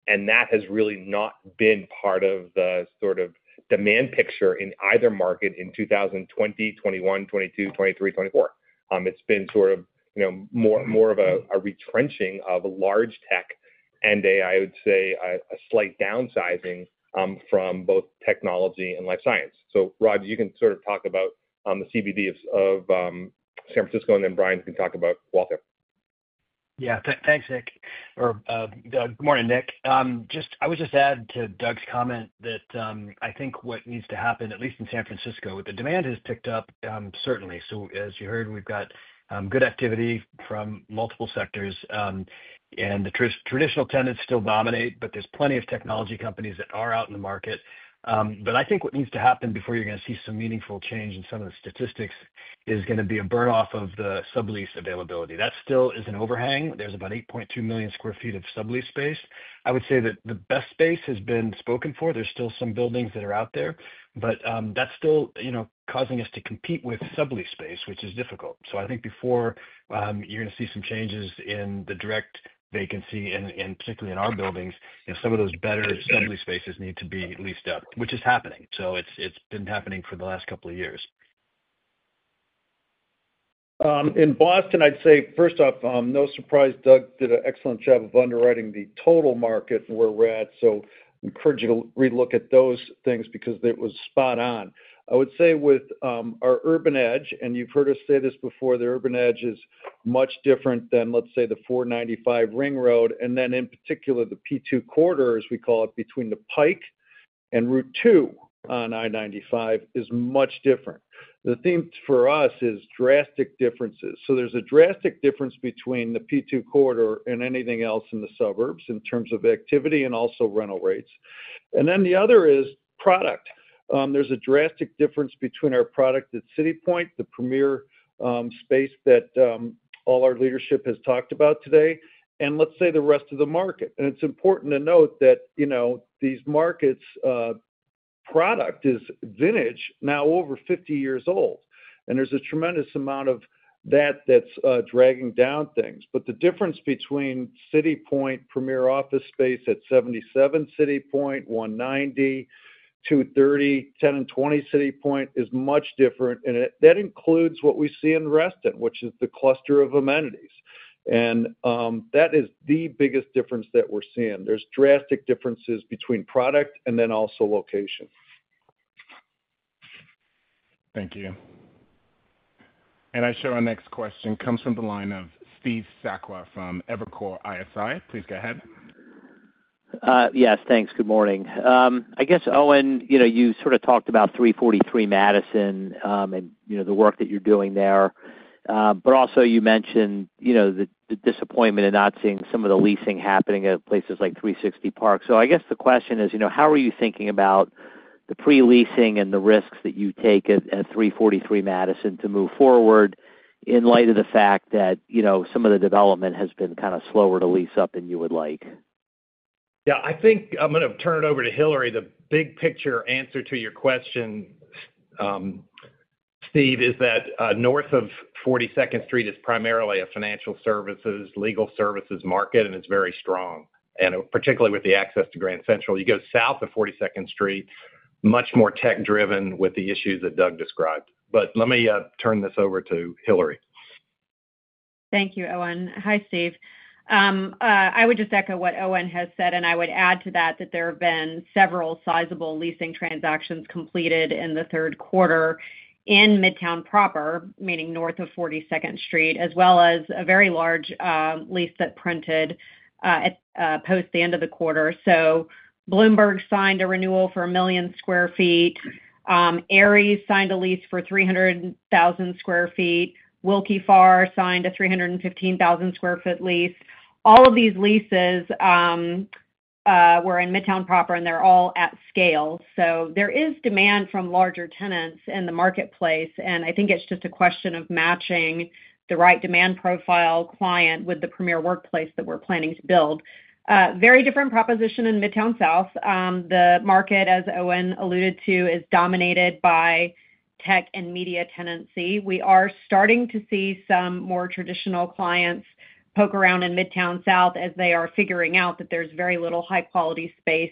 And that has really not been part of the sort of demand picture in either market in 2020, 2021, 2022, 2023, 2024. It's been sort of more of a retrenching of large tech and, I would say, a slight downsizing from both technology and life science. Rod, you can sort of talk about the CBD of San Francisco, and then Bryan can talk about Waltham. Yeah. Thanks, Nick. Or good morning, Nick. I would just add to Doug's comment that I think what needs to happen, at least in San Francisco, the demand has picked up certainly. So, as you heard, we've got good activity from multiple sectors, and the traditional tenants still dominate, but there's plenty of technology companies that are out in the market. But I think what needs to happen before you're going to see some meaningful change in some of the statistics is going to be a burn-off of the sublease availability. That still is an overhang. There's about 8.2 million sq ft of sublease space. I would say that the best space has been spoken for. There's still some buildings that are out there, but that's still causing us to compete with sublease space, which is difficult, so I think before you're going to see some changes in the direct vacancy, and particularly in our buildings, some of those better sublease spaces need to be leased up, which is happening. So it's been happening for the last couple of years. In Boston, I'd say, first off, no surprise, Doug did an excellent job of underwriting the total market where we're at, so encourage you to relook at those things because it was spot on. I would say with our urban edge, and you've heard us say this before, the urban edge is much different than, let's say, the 495 Ring Road, and then, in particular, the P2 corridor, as we call it, between the Pike and Route 2 on I-95 is much different. The theme for us is drastic differences. So, there's a drastic difference between the P2 corridor and anything else in the suburbs in terms of activity and also rental rates. And then the other is product. There's a drastic difference between our product at CityPoint, the premier space that all our leadership has talked about today, and let's say the rest of the market. And it's important to note that these markets' product is vintage, now over 50 years old. And there's a tremendous amount of that that's dragging down things. But the difference between CityPoint premier office space at 77 CityPoint, 190, 230, 10 and 20 CityPoint is much different. And that includes what we see in Reston, which is the cluster of amenities. And that is the biggest difference that we're seeing. There's drastic differences between product and then also location. Thank you. And I show our next question comes from the line of Steve Sakwa from Evercore ISI. Please go ahead. Yes, thanks. Good morning. I guess, Owen, you sort of talked about 343 Madison and the work that you're doing there, but also you mentioned the disappointment in not seeing some of the leasing happening at places like 360 Park. So, I guess the question is, how are you thinking about the pre-leasing and the risks that you take at 343 Madison to move forward in light of the fact that some of the development has been kind of slower to lease up than you would like? Yeah, I think I'm going to turn it over to Hilary. The big picture answer to your question, Steve, is that north of 42nd Street is primarily a financial services, legal services market, and it's very strong, and particularly with the access to Grand Central. You go south of 42nd Street, much more tech-driven with the issues that Doug described. But let me turn this over to Hilary. Thank you, Owen. Hi, Steve. I would just echo what Owen has said, and I would add to that that there have been several sizable leasing transactions completed in the third quarter in Midtown proper, meaning north of 42nd Street, as well as a very large lease that printed post the end of the quarter. So, Bloomberg signed a renewal for 1 million sq ft. Ares signed a lease for 300,000 sq ft. Willkie Farr signed a 315,000 sq ft lease. All of these leases were in Midtown proper, and they're all at scale. So, there is demand from larger tenants in the marketplace, and I think it's just a question of matching the right demand profile client with the premier workplace that we're planning to build. Very different proposition in Midtown South. The market, as Owen alluded to, is dominated by tech and media tenancy. We are starting to see some more traditional clients poke around in Midtown South as they are figuring out that there's very little high-quality space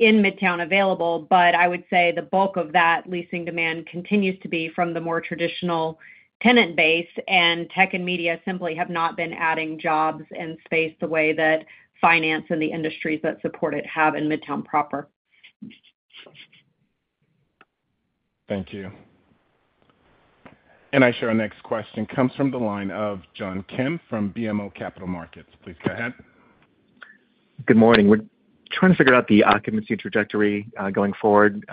in Midtown available. But I would say the bulk of that leasing demand continues to be from the more traditional tenant base, and tech and media simply have not been adding jobs and space the way that finance and the industries that support it have in Midtown proper. Thank you. Our next question comes from the line of John Kim from BMO Capital Markets. Please go ahead. Good morning. We're trying to figure out the occupancy trajectory going forward.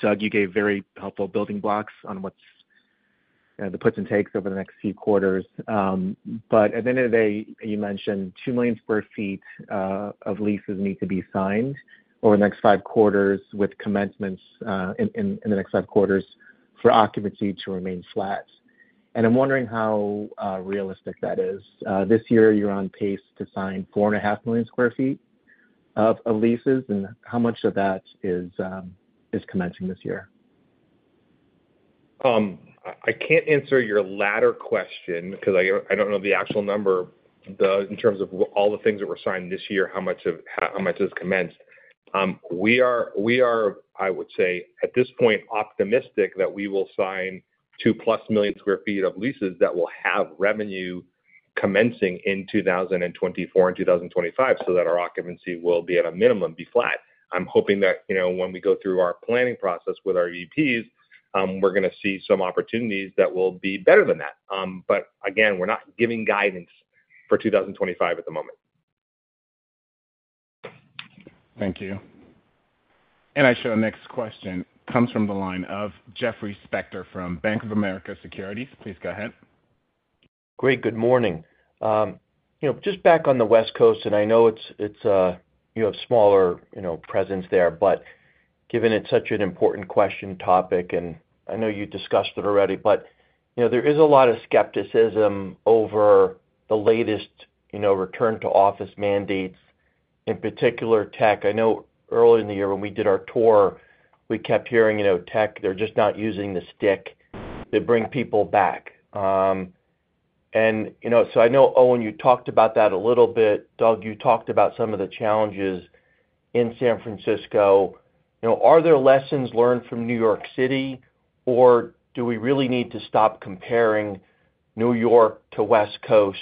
Doug, you gave very helpful building blocks on what's the puts and takes over the next few quarters, but at the end of the day, you mentioned 2 million sq ft of leases need to be signed over the next five quarters with commencements in the next five quarters for occupancy to remain flat. And I'm wondering how realistic that is. This year, you're on pace to sign 4.5 million sq ft of leases, and how much of that is commencing this year? I can't answer your latter question because I don't know the actual number in terms of all the things that were signed this year, how much has commenced. We are, I would say, at this point, optimistic that we will sign 2-plus million sq ft of leases that will have revenue commencing in 2024 and 2025 so that our occupancy will, at a minimum, be flat. I'm hoping that when we go through our planning process with our EVPs, we're going to see some opportunities that will be better than that. But again, we're not giving guidance for 2025 at the moment. Thank you. And now our next question comes from the line of Jeffrey Spector from Bank of America Securities. Please go ahead. Great. Good morning. Just back on the West Coast, and I know you have smaller presence there, but given it's such an important question topic, and I know you discussed it already, but there is a lot of skepticism over the latest return-to-office mandates, in particular tech. I know early in the year when we did our tour, we kept hearing tech; they're just not using the stick to bring people back. And so I know, Owen, you talked about that a little bit. Doug, you talked about some of the challenges in San Francisco. Are there lessons learned from New York City, or do we really need to stop comparing New York to West Coast?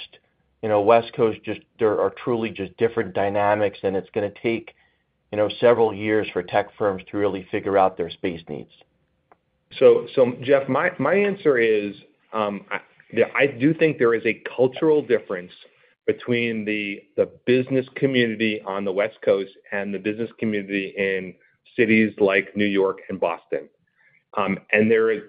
West Coast, there are truly just different dynamics, and it's going to take several years for tech firms to really figure out their space needs. So, Jeff, my answer is I do think there is a cultural difference between the business community on the West Coast and the business community in cities like New York and Boston, and there is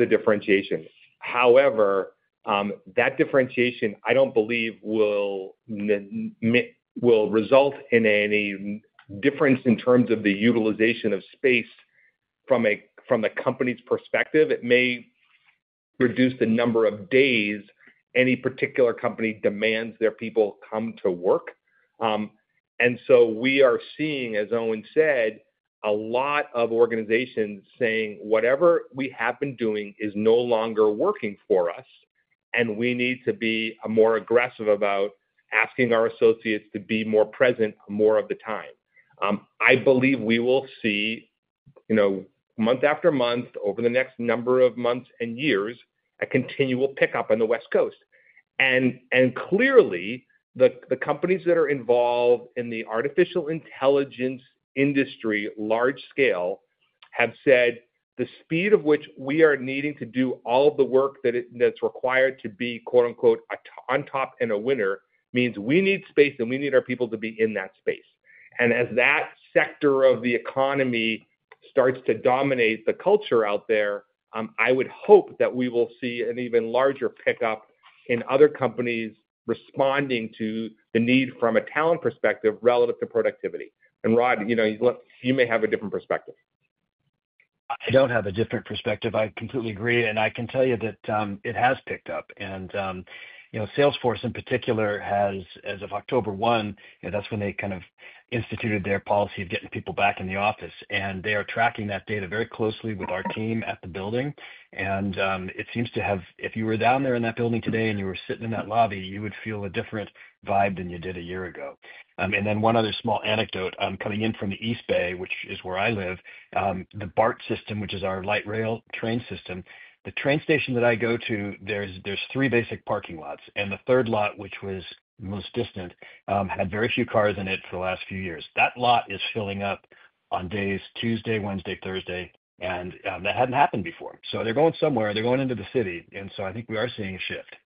a differentiation. However, that differentiation, I don't believe, will result in any difference in terms of the utilization of space from a company's perspective. It may reduce the number of days any particular company demands their people come to work. And so we are seeing, as Owen said, a lot of organizations saying, "Whatever we have been doing is no longer working for us, and we need to be more aggressive about asking our associates to be more present more of the time." I believe we will see month after month, over the next number of months and years, a continual pickup on the West Coast. And clearly, the companies that are involved in the artificial intelligence industry, large scale, have said the speed of which we are needing to do all of the work that's required to be "on top" and a winner means we need space, and we need our people to be in that space. And as that sector of the economy starts to dominate the culture out there, I would hope that we will see an even larger pickup in other companies responding to the need from a talent perspective relative to productivity. And Rod, you may have a different perspective. I don't have a different perspective. I completely agree. And I can tell you that it has picked up. And Salesforce, in particular, as of October 1, that's when they kind of instituted their policy of getting people back in the office. And they are tracking that data very closely with our team at the building. And it seems to have, if you were down there in that building today and you were sitting in that lobby, you would feel a different vibe than you did a year ago. And then one other small anecdote coming in from the East Bay, which is where I live, the BART system, which is our light rail train system. The train station that I go to, there's three basic parking lots. And the third lot, which was most distant, had very few cars in it for the last few years. That lot is filling up on days Tuesday, Wednesday, Thursday, and that hadn't happened before. So they're going somewhere. They're going into the city. And so I think we are seeing a shift.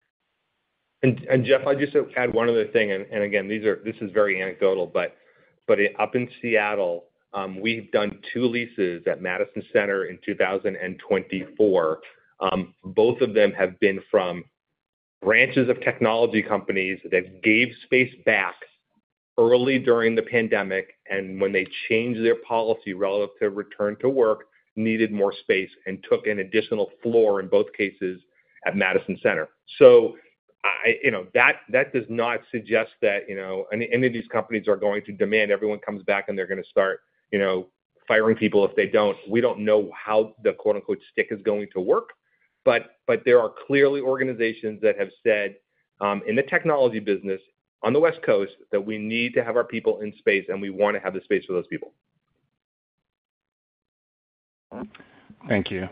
And Jeff, I'd just add one other thing. And again, this is very anecdotal, but up in Seattle, we've done two leases at Madison Centre in 2024. Both of them have been from branches of technology companies that gave space back early during the pandemic and when they changed their policy relative to return to work, needed more space, and took an additional floor in both cases at Madison Centre. So that does not suggest that any of these companies are going to demand everyone comes back and they're going to start firing people if they don't. We don't know how the "stick" is going to work. But there are clearly organizations that have said in the technology business on the West Coast that we need to have our people in space, and we want to have the space for those people. Thank you.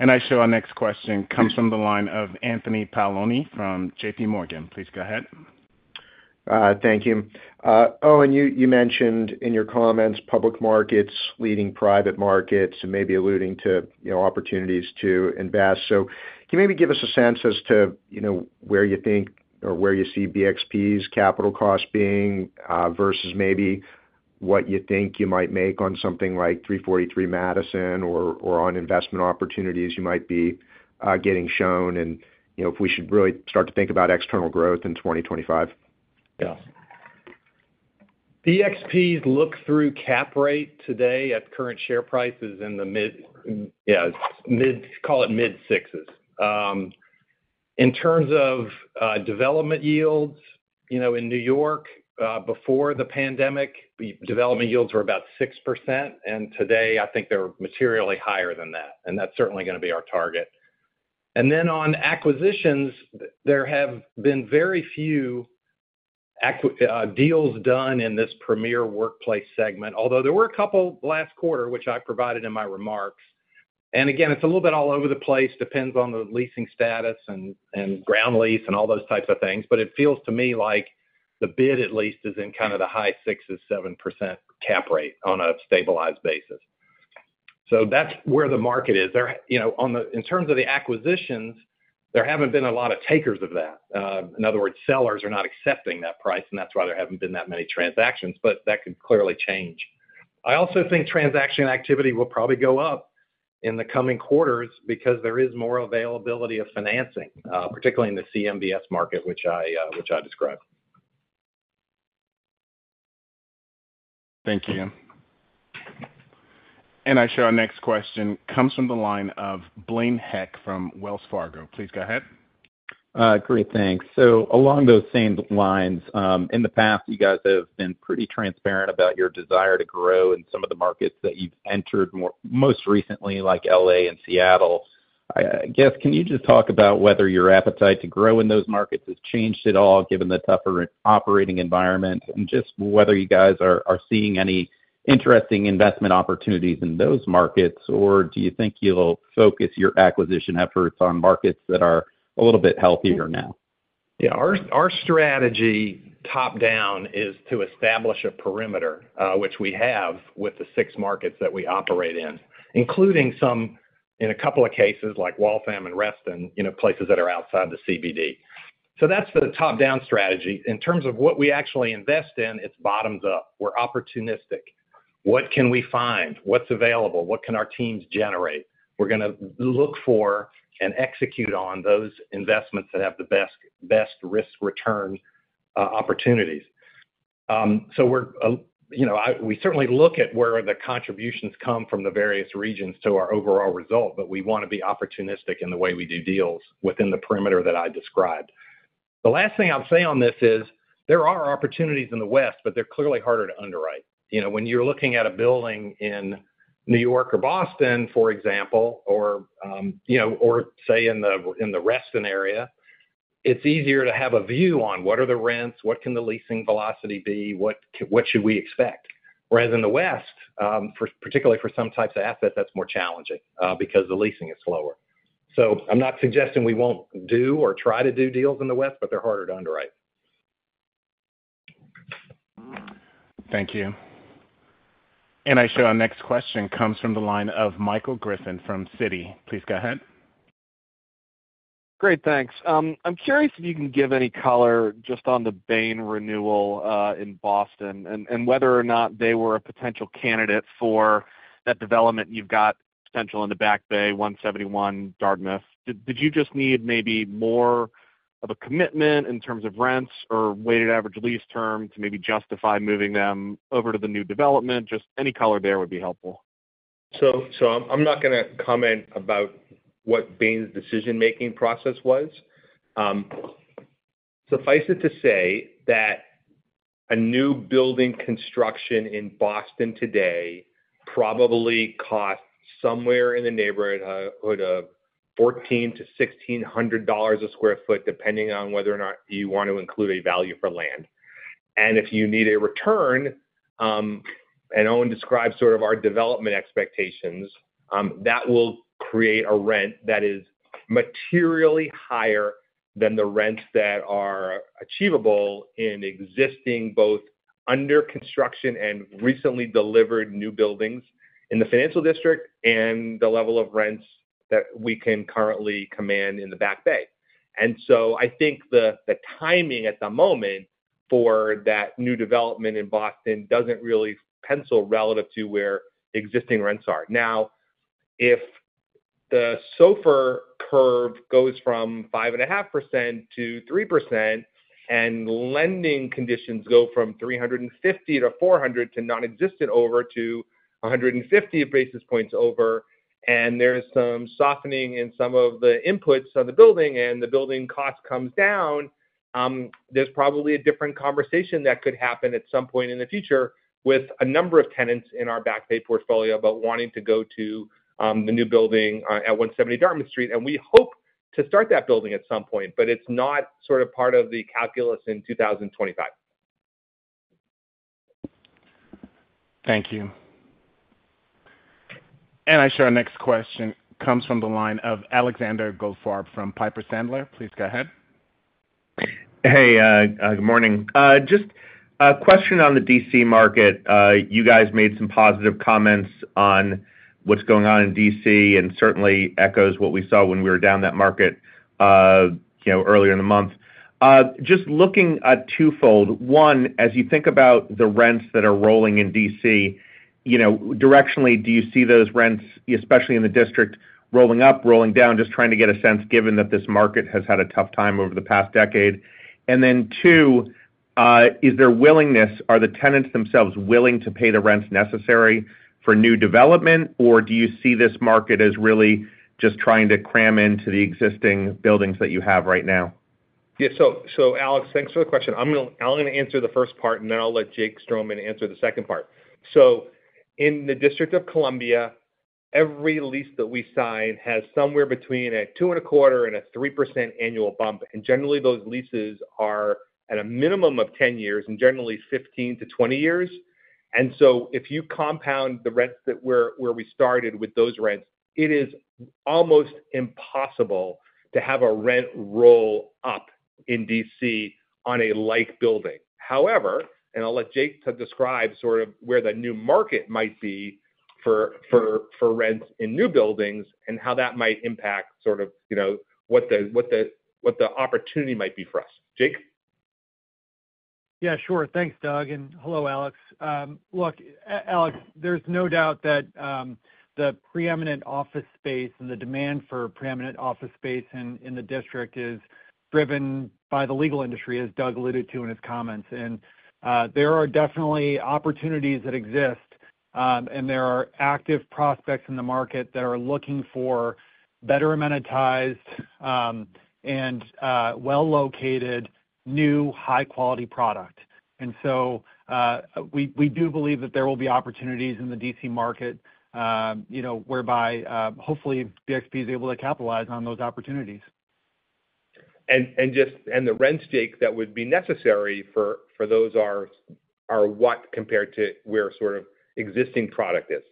Our next question comes from the line of Anthony Paolone from JPMorgan. Please go ahead. Thank you. Owen, you mentioned in your comments public markets leading private markets, and maybe alluding to opportunities to invest. So can you maybe give us a sense as to where you think or where you see BXP's capital cost being versus maybe what you think you might make on something like 343 Madison or on investment opportunities you might be getting shown and if we should really start to think about external growth in 2025? Yeah. BXP's look-through cap rate today at current share prices in the mid, yeah, call it mid-sixes. In terms of development yields in New York, before the pandemic, development yields were about 6%, and today, I think they're materially higher than that. That's certainly going to be our target. And then on acquisitions, there have been very few deals done in this premier workplace segment, although there were a couple last quarter, which I provided in my remarks. And again, it's a little bit all over the place. Depends on the leasing status and ground lease and all those types of things. But it feels to me like the bid, at least, is in kind of the high 6%, 7% cap rate on a stabilized basis. So that's where the market is. In terms of the acquisitions, there haven't been a lot of takers of that. In other words, sellers are not accepting that price, and that's why there haven't been that many transactions. But that could clearly change. I also think transaction activity will probably go up in the coming quarters because there is more availability of financing, particularly in the CMBS market, which I described. Thank you. I show our next question comes from the line of Blaine Heck from Wells Fargo. Please go ahead. Great. Thanks. So along those same lines, in the past, you guys have been pretty transparent about your desire to grow in some of the markets that you've entered most recently, like LA and Seattle. I guess, can you just talk about whether your appetite to grow in those markets has changed at all, given the tougher operating environment, and just whether you guys are seeing any interesting investment opportunities in those markets, or do you think you'll focus your acquisition efforts on markets that are a little bit healthier now? Yeah. Our strategy top-down is to establish a perimeter, which we have with the six markets that we operate in, including in a couple of cases like Waltham and Reston, places that are outside the CBD. That's the top-down strategy. In terms of what we actually invest in, it's bottoms up. We're opportunistic. What can we find? What's available? What can our teams generate? We're going to look for and execute on those investments that have the best risk-return opportunities. We certainly look at where the contributions come from the various regions to our overall result, but we want to be opportunistic in the way we do deals within the perimeter that I described. The last thing I'll say on this is there are opportunities in the West, but they're clearly harder to underwrite. When you're looking at a building in New York or Boston, for example, or say in the Reston area, it's easier to have a view on what are the rents, what can the leasing velocity be, what should we expect. Whereas in the West, particularly for some types of assets, that's more challenging because the leasing is slower. So I'm not suggesting we won't do or try to do deals in the West, but they're harder to underwrite. Thank you. And our next question comes from the line of Michael Griffin from Citi. Please go ahead. Great. Thanks. I'm curious if you can give any color just on the Bain renewal in Boston and whether or not they were a potential candidate for that development. You've got potential in the Back Bay, 171 Dartmouth. Did you just need maybe more of a commitment in terms of rents or weighted average lease term to maybe justify moving them over to the new development? Just any color there would be helpful. So I'm not going to comment about what Bain's decision-making process was. Suffice it to say that a new building construction in Boston today probably costs somewhere in the neighborhood of $1,400-$1,600/sq ft, depending on whether or not you want to include a value for land, and if you need a return, and Owen described sort of our development expectations, that will create a rent that is materially higher than the rents that are achievable in existing both under construction and recently delivered new buildings in the Financial District and the level of rents that we can currently command in the Back Bay, and so I think the timing at the moment for that new development in Boston doesn't really pencil relative to where existing rents are. Now, if the SOFR curve goes from 5.5% to 3% and lending conditions go from 350 to 400 to nonexistent over to 150 basis points over, and there's some softening in some of the inputs on the building and the building cost comes down, there's probably a different conversation that could happen at some point in the future with a number of tenants in our Back Bay portfolio about wanting to go to the new building at 171 Dartmouth Street. And we hope to start that building at some point, but it's not sort of part of the calculus in 2025. Thank you. And our next question comes from the line of Alexander Goldfarb from Piper Sandler. Please go ahead. Hey, good morning. Just a question on the DC market. You guys made some positive comments on what's going on in DC and certainly echoes what we saw when we were down that market earlier in the month. Just looking at twofold. One, as you think about the rents that are rolling in DC, directionally, do you see those rents, especially in the District, rolling up, rolling down, just trying to get a sense given that this market has had a tough time over the past decade? And then two, is there willingness? Are the tenants themselves willing to pay the rents necessary for new development, or do you see this market as really just trying to cram into the existing buildings that you have right now? Yeah. So Alex, thanks for the question. I'm going to answer the first part, and then I'll let Jake Stroman answer the second part. In the District of Columbia, every lease that we sign has somewhere between 2.25% and 3% annual bump. Generally, those leases are at a minimum of 10 years and generally 15-20 years. If you compound the rents where we started with those rents, it is almost impossible to have a rent roll up in DC on a like building. However, I'll let Jake describe sort of where the new market might be for rents in new buildings and how that might impact sort of what the opportunity might be for us. Jake? Yeah, sure. Thanks, Doug. Hello, Alex. Look, Alex, there's no doubt that the preeminent office space and the demand for preeminent office space in the District is driven by the legal industry, as Doug alluded to in his comments. And there are definitely opportunities that exist, and there are active prospects in the market that are looking for better amenitized and well-located new high-quality product. And so we do believe that there will be opportunities in the DC market whereby hopefully BXP is able to capitalize on those opportunities. And the rent stack that would be necessary for those are what compared to where sort of existing product is?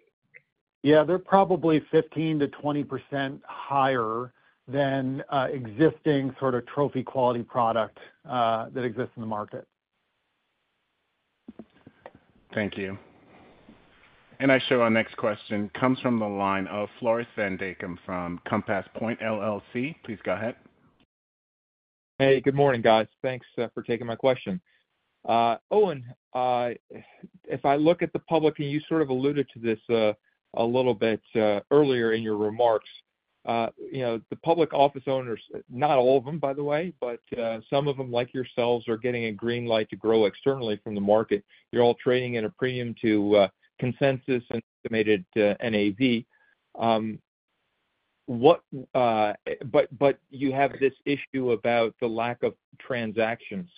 Yeah, they're probably 15%-20% higher than existing sort of trophy-quality product that exists in the market. Thank you. And our next question comes from the line of Floris van Dijkum from Compass Point LLC. Please go ahead. Hey, good morning, guys. Thanks for taking my question. Owen, if I look at the public, and you sort of alluded to this a little bit earlier in your remarks, the public office owners, not all of them, by the way, but some of them like yourselves are getting a green light to grow externally from the market. You're all trading at a premium to consensus and estimated NAV. But you have this issue about the lack of transactions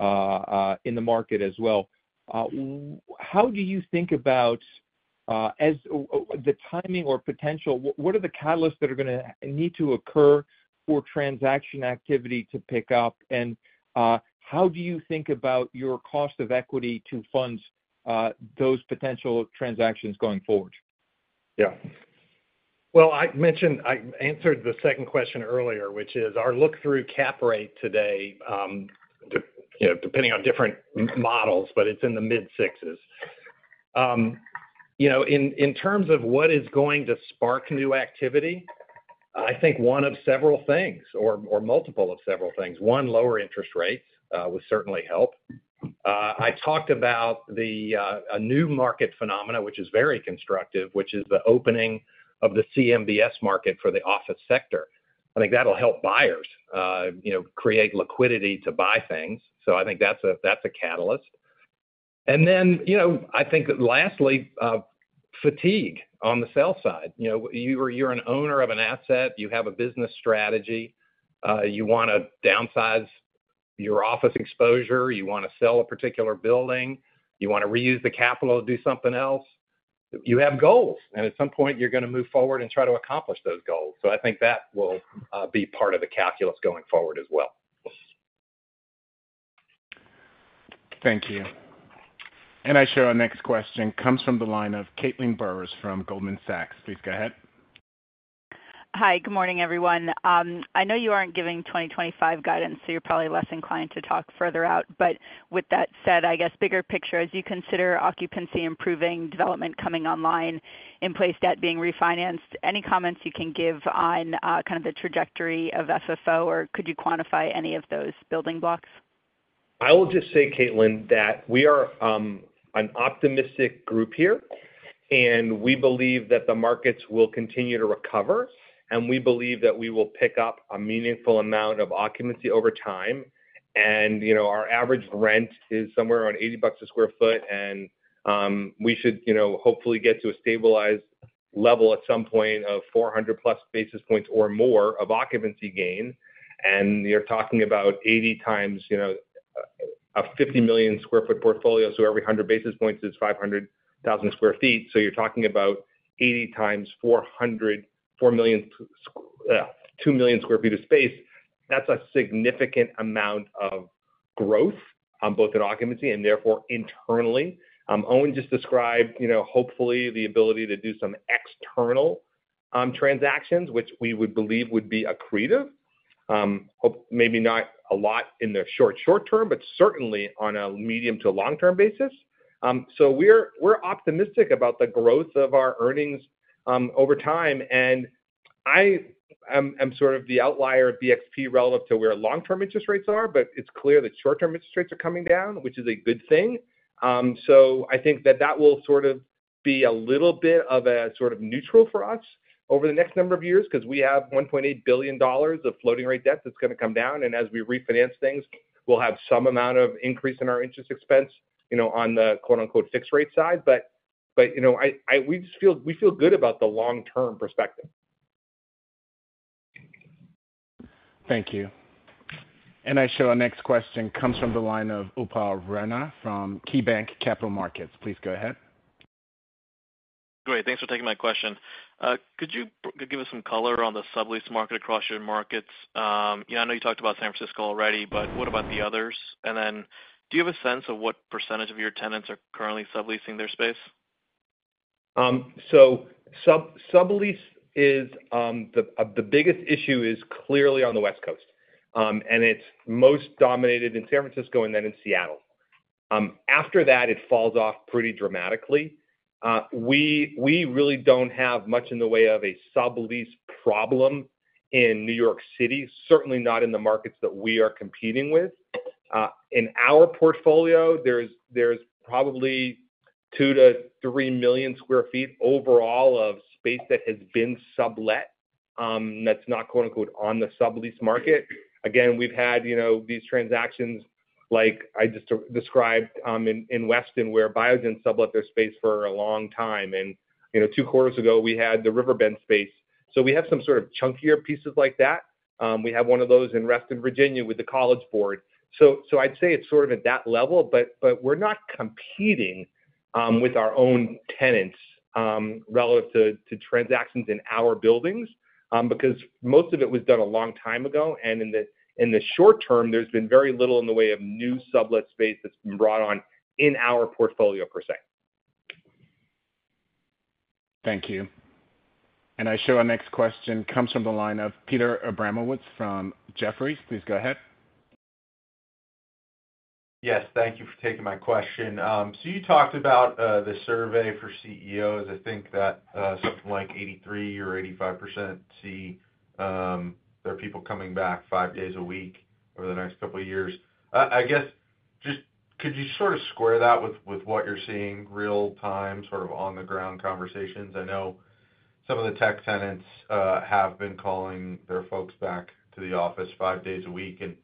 in the market as well. How do you think about the timing or potential? What are the catalysts that are going to need to occur for transaction activity to pick up? And how do you think about your cost of equity to fund those potential transactions going forward? Yeah. Well, I answered the second question earlier, which is our look-through cap rate today, depending on different models, but it's in the mid-sixes. In terms of what is going to spark new activity, I think one of several things or multiple of several things. One, lower interest rates would certainly help. I talked about a new market phenomenon, which is very constructive, which is the opening of the CMBS market for the office sector. I think that'll help buyers create liquidity to buy things. So I think that's a catalyst. And then I think lastly, fatigue on the sell side. You're an owner of an asset. You have a business strategy. You want to downsize your office exposure. You want to sell a particular building. You want to reuse the capital to do something else. You have goals, and at some point, you're going to move forward and try to accomplish those goals. So I think that will be part of the calculus going forward as well. Thank you. I show our next question comes from the line of Caitlin Burrows from Goldman Sachs. Please go ahead. Hi, good morning, everyone. I know you aren't giving 2025 guidance, so you're probably less inclined to talk further out. But with that said, I guess bigger picture, as you consider occupancy improving, development coming online, in-place debt being refinanced, any comments you can give on kind of the trajectory of FFO, or could you quantify any of those building blocks? I will just say, Caitlin, that we are an optimistic group here, and we believe that the markets will continue to recover, and we believe that we will pick up a meaningful amount of occupancy over time. Our average rent is somewhere around $80 a sq ft, and we should hopefully get to a stabilized level at some point of 400-plus basis points or more of occupancy gain. And you're talking about 80 times a 50 million sq ft portfolio. So every 100 basis points is 500,000 sq ft. So you're talking about 80 times 4 million sq ft of space. That's a significant amount of growth both in occupancy and therefore internally. Owen just described, hopefully, the ability to do some external transactions, which we would believe would be accretive. Maybe not a lot in the short term, but certainly on a medium to long-term basis. So we're optimistic about the growth of our earnings over time. And I am sort of the outlier of BXP relative to where long-term interest rates are, but it's clear that short-term interest rates are coming down, which is a good thing. So I think that that will sort of be a little bit of a sort of neutral for us over the next number of years because we have $1.8 billion of floating rate debt that's going to come down. And as we refinance things, we'll have some amount of increase in our interest expense on the "fixed rate" side. But we feel good about the long-term perspective. Thank you. And our next question comes from the line of Upal Rana from KeyBanc Capital Markets. Please go ahead. Great. Thanks for taking my question. Could you give us some color on the sublease market across your markets? I know you talked about San Francisco already, but what about the others? And then do you have a sense of what percentage of your tenants are currently subleasing their space? So sublease is the biggest issue. It's clearly on the West Coast. And it's most dominated in San Francisco and then in Seattle. After that, it falls off pretty dramatically. We really don't have much in the way of a sublease problem in New York City, certainly not in the markets that we are competing with. In our portfolio, there's probably 2-3 million sq ft overall of space that has been sublet that's not "on the sublease market." Again, we've had these transactions like I just described in Weston where Biogen sublet their space for a long time. And two quarters ago, we had the Riverbed space. So we have some sort of chunkier pieces like that. We have one of those in Reston, Virginia, with the College Board. So I'd say it's sort of at that level, but we're not competing with our own tenants relative to transactions in our buildings because most of it was done a long time ago. And in the short term, there's been very little in the way of new sublet space that's been brought on in our portfolio per se. Thank you. And our next question comes from the line of Peter Abramowitz from Jefferies. Please go ahead. Yes, thank you for taking my question. So you talked about the survey for CEOs. I think that something like 83% or 85% see there are people coming back five days a week over the next couple of years. I guess just could you sort of square that with what you're seeing real-time sort of on-the-ground conversations? I know some of the tech tenants have been calling their folks back to the office five days a week, and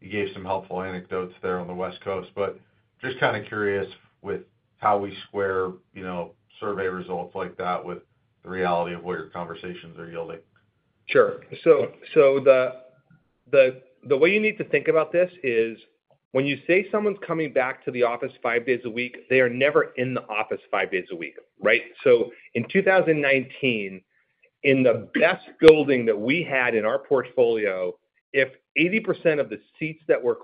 you gave some helpful anecdotes there on the West Coast. But just kind of curious with how we square survey results like that with the reality of what your conversations are yielding. Sure. So the way you need to think about this is when you say someone's coming back to the office five days a week, they are never in the office five days a week, right? So in 2019, in the best building that we had in our portfolio, if 80% of the seats that were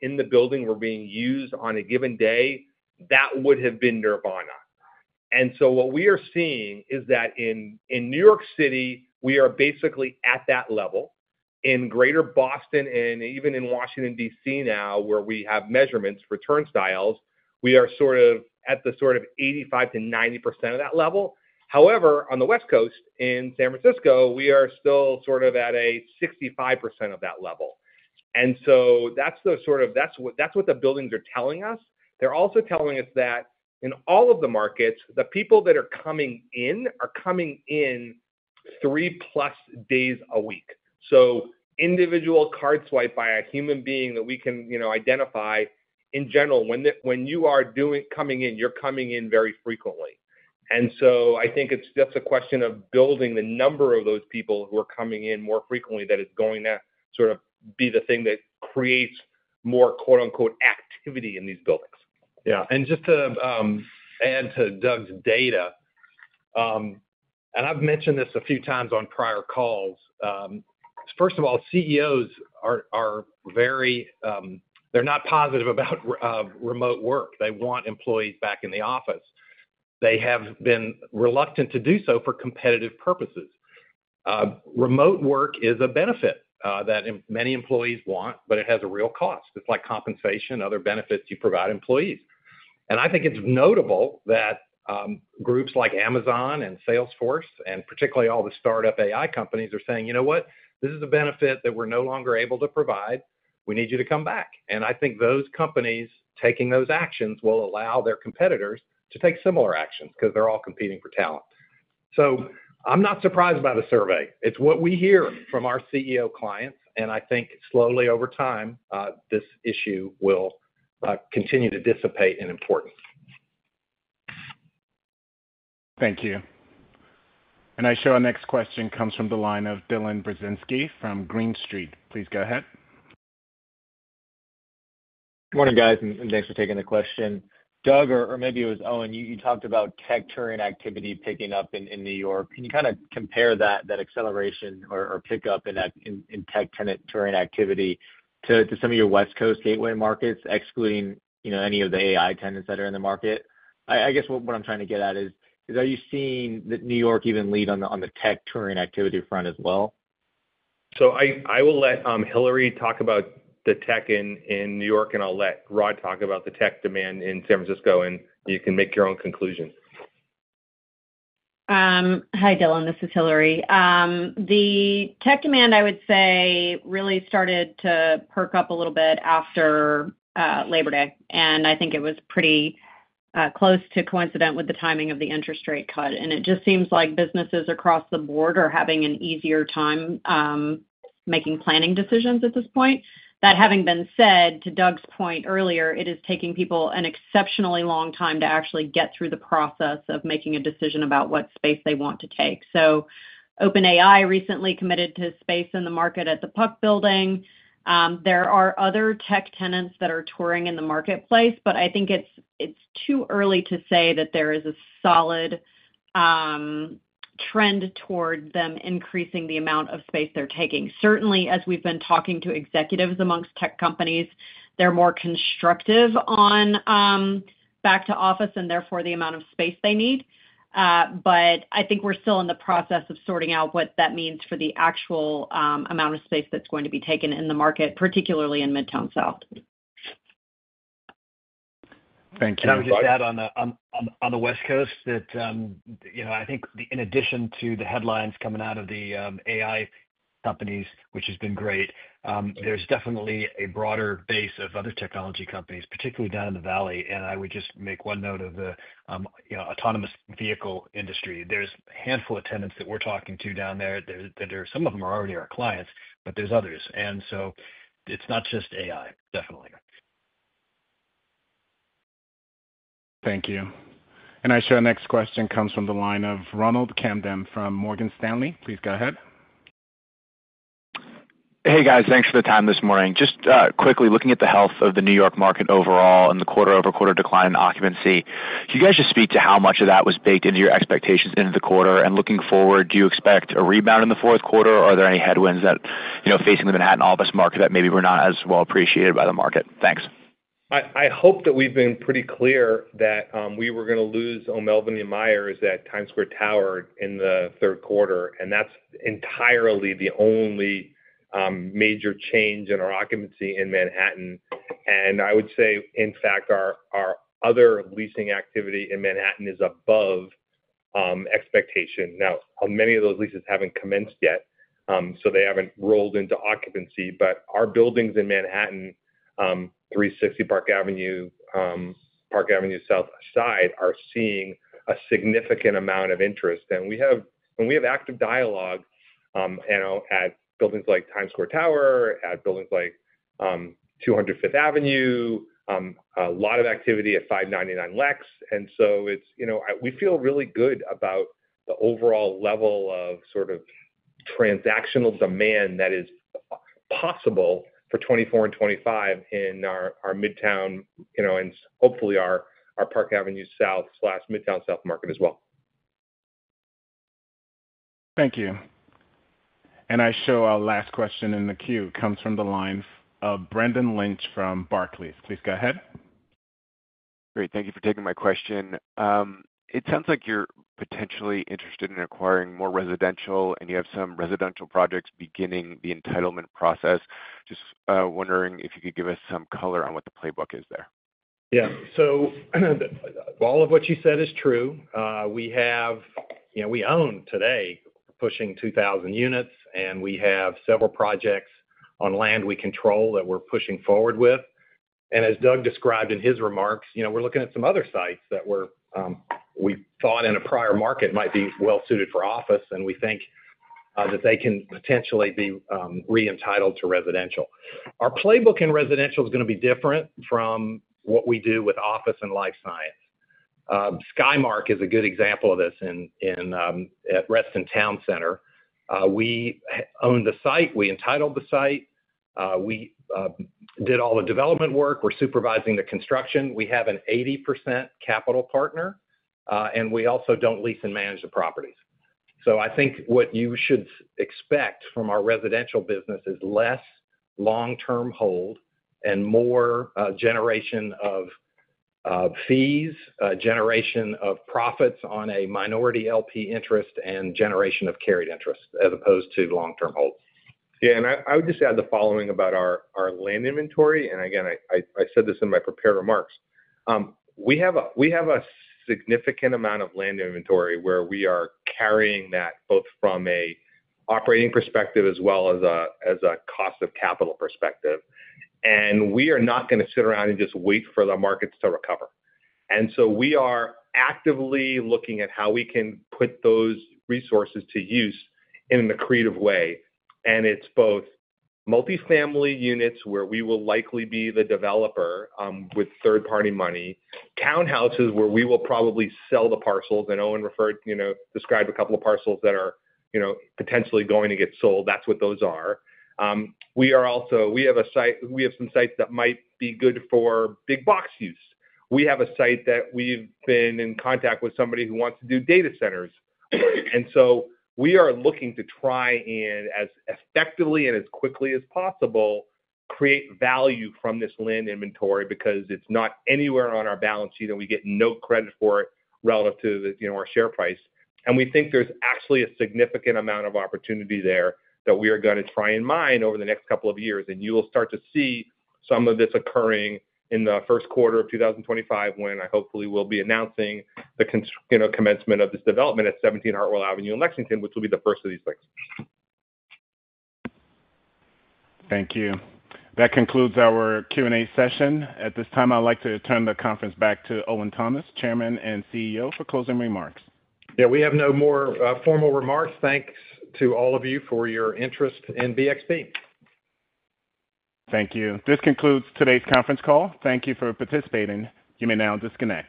"in the building" were being used on a given day, that would have been Nirvana. And so what we are seeing is that in New York City, we are basically at that level. In greater Boston and even in Washington, DC, now, where we have measurements for turnstiles, we are sort of at the sort of 85%-90% of that level. However, on the West Coast in San Francisco, we are still sort of at a 65% of that level. And so that's sort of what the buildings are telling us. They're also telling us that in all of the markets, the people that are coming in are coming in three-plus days a week. So individual card swipe by a human being that we can identify in general, when you are coming in, you're coming in very frequently. And so I think it's just a question of building the number of those people who are coming in more frequently that is going to sort of be the thing that creates more "activity" in these buildings. Yeah. And just to add to Doug's data, and I've mentioned this a few times on prior calls. First of all, CEOs are very, they're not positive about remote work. They want employees back in the office. They have been reluctant to do so for competitive purposes. Remote work is a benefit that many employees want, but it has a real cost. It's like compensation, other benefits you provide employees. And I think it's notable that groups like Amazon and Salesforce, and particularly all the startup AI companies, are saying, "You know what? This is a benefit that we're no longer able to provide. We need you to come back." And I think those companies taking those actions will allow their competitors to take similar actions because they're all competing for talent. So I'm not surprised by the survey. It's what we hear from our CEO clients. I think slowly over time, this issue will continue to dissipate in importance. Thank you. Now our next question comes from the line of Dylan Burzinski from Green Street. Please go ahead. Good morning, guys, and thanks for taking the question. Doug, or maybe it was Owen, you talked about tech touring activity picking up in New York. Can you kind of compare that acceleration or pickup in tech tenant touring activity to some of your West Coast gateway markets, excluding any of the AI tenants that are in the market? I guess what I'm trying to get at is, are you seeing that New York even lead on the tech touring activity front as well? So I will let Hilary talk about the tech in New York, and I'll let Rod talk about the tech demand in San Francisco, and you can make your own conclusion. Hi, Dylan. This is Hilary. The tech demand, I would say, really started to perk up a little bit after Labor Day. And I think it was pretty close to coincident with the timing of the interest rate cut. And it just seems like businesses across the board are having an easier time making planning decisions at this point. That having been said, to Doug's point earlier, it is taking people an exceptionally long time to actually get through the process of making a decision about what space they want to take. So OpenAI recently committed to space in the market at the Puck Building. There are other tech tenants that are touring in the marketplace, but I think it's too early to say that there is a solid trend toward them increasing the amount of space they're taking. Certainly, as we've been talking to executives amongst tech companies, they're more constructive on back to office and therefore the amount of space they need. But I think we're still in the process of sorting out what that means for the actual amount of space that's going to be taken in the market, particularly in Midtown South. Thank you. And I would just add on the West Coast that I think in addition to the headlines coming out of the AI companies, which has been great, there's definitely a broader base of other technology companies, particularly down in the Valley. And I would just make one note of the autonomous vehicle industry. There's a handful of tenants that we're talking to down there that some of them are already our clients, but there's others. And so it's not just AI, definitely. Thank you. And our next question comes from the line of Ronald Kamdem from Morgan Stanley. Please go ahead. Hey, guys. Thanks for the time this morning. Just quickly looking at the health of the New York market overall and the quarter-over-quarter decline in occupancy, can you guys just speak to how much of that was baked into your expectations into the quarter? And looking forward, do you expect a rebound in the fourth quarter? Are there any headwinds facing the Manhattan office market that maybe were not as well appreciated by the market? Thanks. I hope that we've been pretty clear that we were going to lose O'Melveny & Myers at Times Square Tower in the third quarter. And that's entirely the only major change in our occupancy in Manhattan. And I would say, in fact, our other leasing activity in Manhattan is above expectation. Now, many of those leases haven't commenced yet, so they haven't rolled into occupancy, but our buildings in Manhattan, 360 Park Avenue South, are seeing a significant amount of interest, and we have active dialogue at buildings like Times Square Tower, at buildings like 200 Fifth Avenue, a lot of activity at 599 Lex. And so we feel really good about the overall level of sort of transactional demand that is possible for 2024 and 2025 in our Midtown and hopefully our Park Avenue South/Midtown South market as well. Thank you, and I show our last question in the queue comes from the line of Brendan Lynch from Barclays. Please go ahead. Great. Thank you for taking my question. It sounds like you're potentially interested in acquiring more residential, and you have some residential projects beginning the entitlement process. Just wondering if you could give us some color on what the playbook is there. Yeah. So all of what you said is true. We own today pushing 2,000 units, and we have several projects on land we control that we're pushing forward with. And as Doug described in his remarks, we're looking at some other sites that we thought in a prior market might be well suited for office, and we think that they can potentially be re-entitled to residential. Our playbook in residential is going to be different from what we do with office and life science. Skymark is a good example of this at Reston Town Center. We own the site. We entitled the site. We did all the development work. We're supervising the construction. We have an 80% capital partner, and we also don't lease and manage the properties. So I think what you should expect from our residential business is less long-term hold and more generation of fees, generation of profits on a minority LP interest, and generation of carried interest as opposed to long-term hold. Yeah. And I would just add the following about our land inventory. And again, I said this in my prepared remarks. We have a significant amount of land inventory where we are carrying that both from an operating perspective as well as a cost of capital perspective. And we are not going to sit around and just wait for the markets to recover. And so we are actively looking at how we can put those resources to use in a creative way. And it's both multifamily units where we will likely be the developer with third-party money, townhouses where we will probably sell the parcels. Owen described a couple of parcels that are potentially going to get sold. That's what those are. We have some sites that might be good for big box use. We have a site that we've been in contact with somebody who wants to do data centers. So we are looking to try and as effectively and as quickly as possible create value from this land inventory because it's not anywhere on our balance sheet, and we get no credit for it relative to our share price. We think there's actually a significant amount of opportunity there that we are going to try and mine over the next couple of years. And you will start to see some of this occurring in the first quarter of 2025 when I hopefully will be announcing the commencement of this development at 17 Hartwell Avenue in Lexington, which will be the first of these places. Thank you. That concludes our Q&A session. At this time, I'd like to turn the conference back to Owen Thomas, Chairman and CEO, for closing remarks. Yeah. We have no more formal remarks. Thanks to all of you for your interest in BXP. Thank you. This concludes today's conference call. Thank you for participating. You may now disconnect.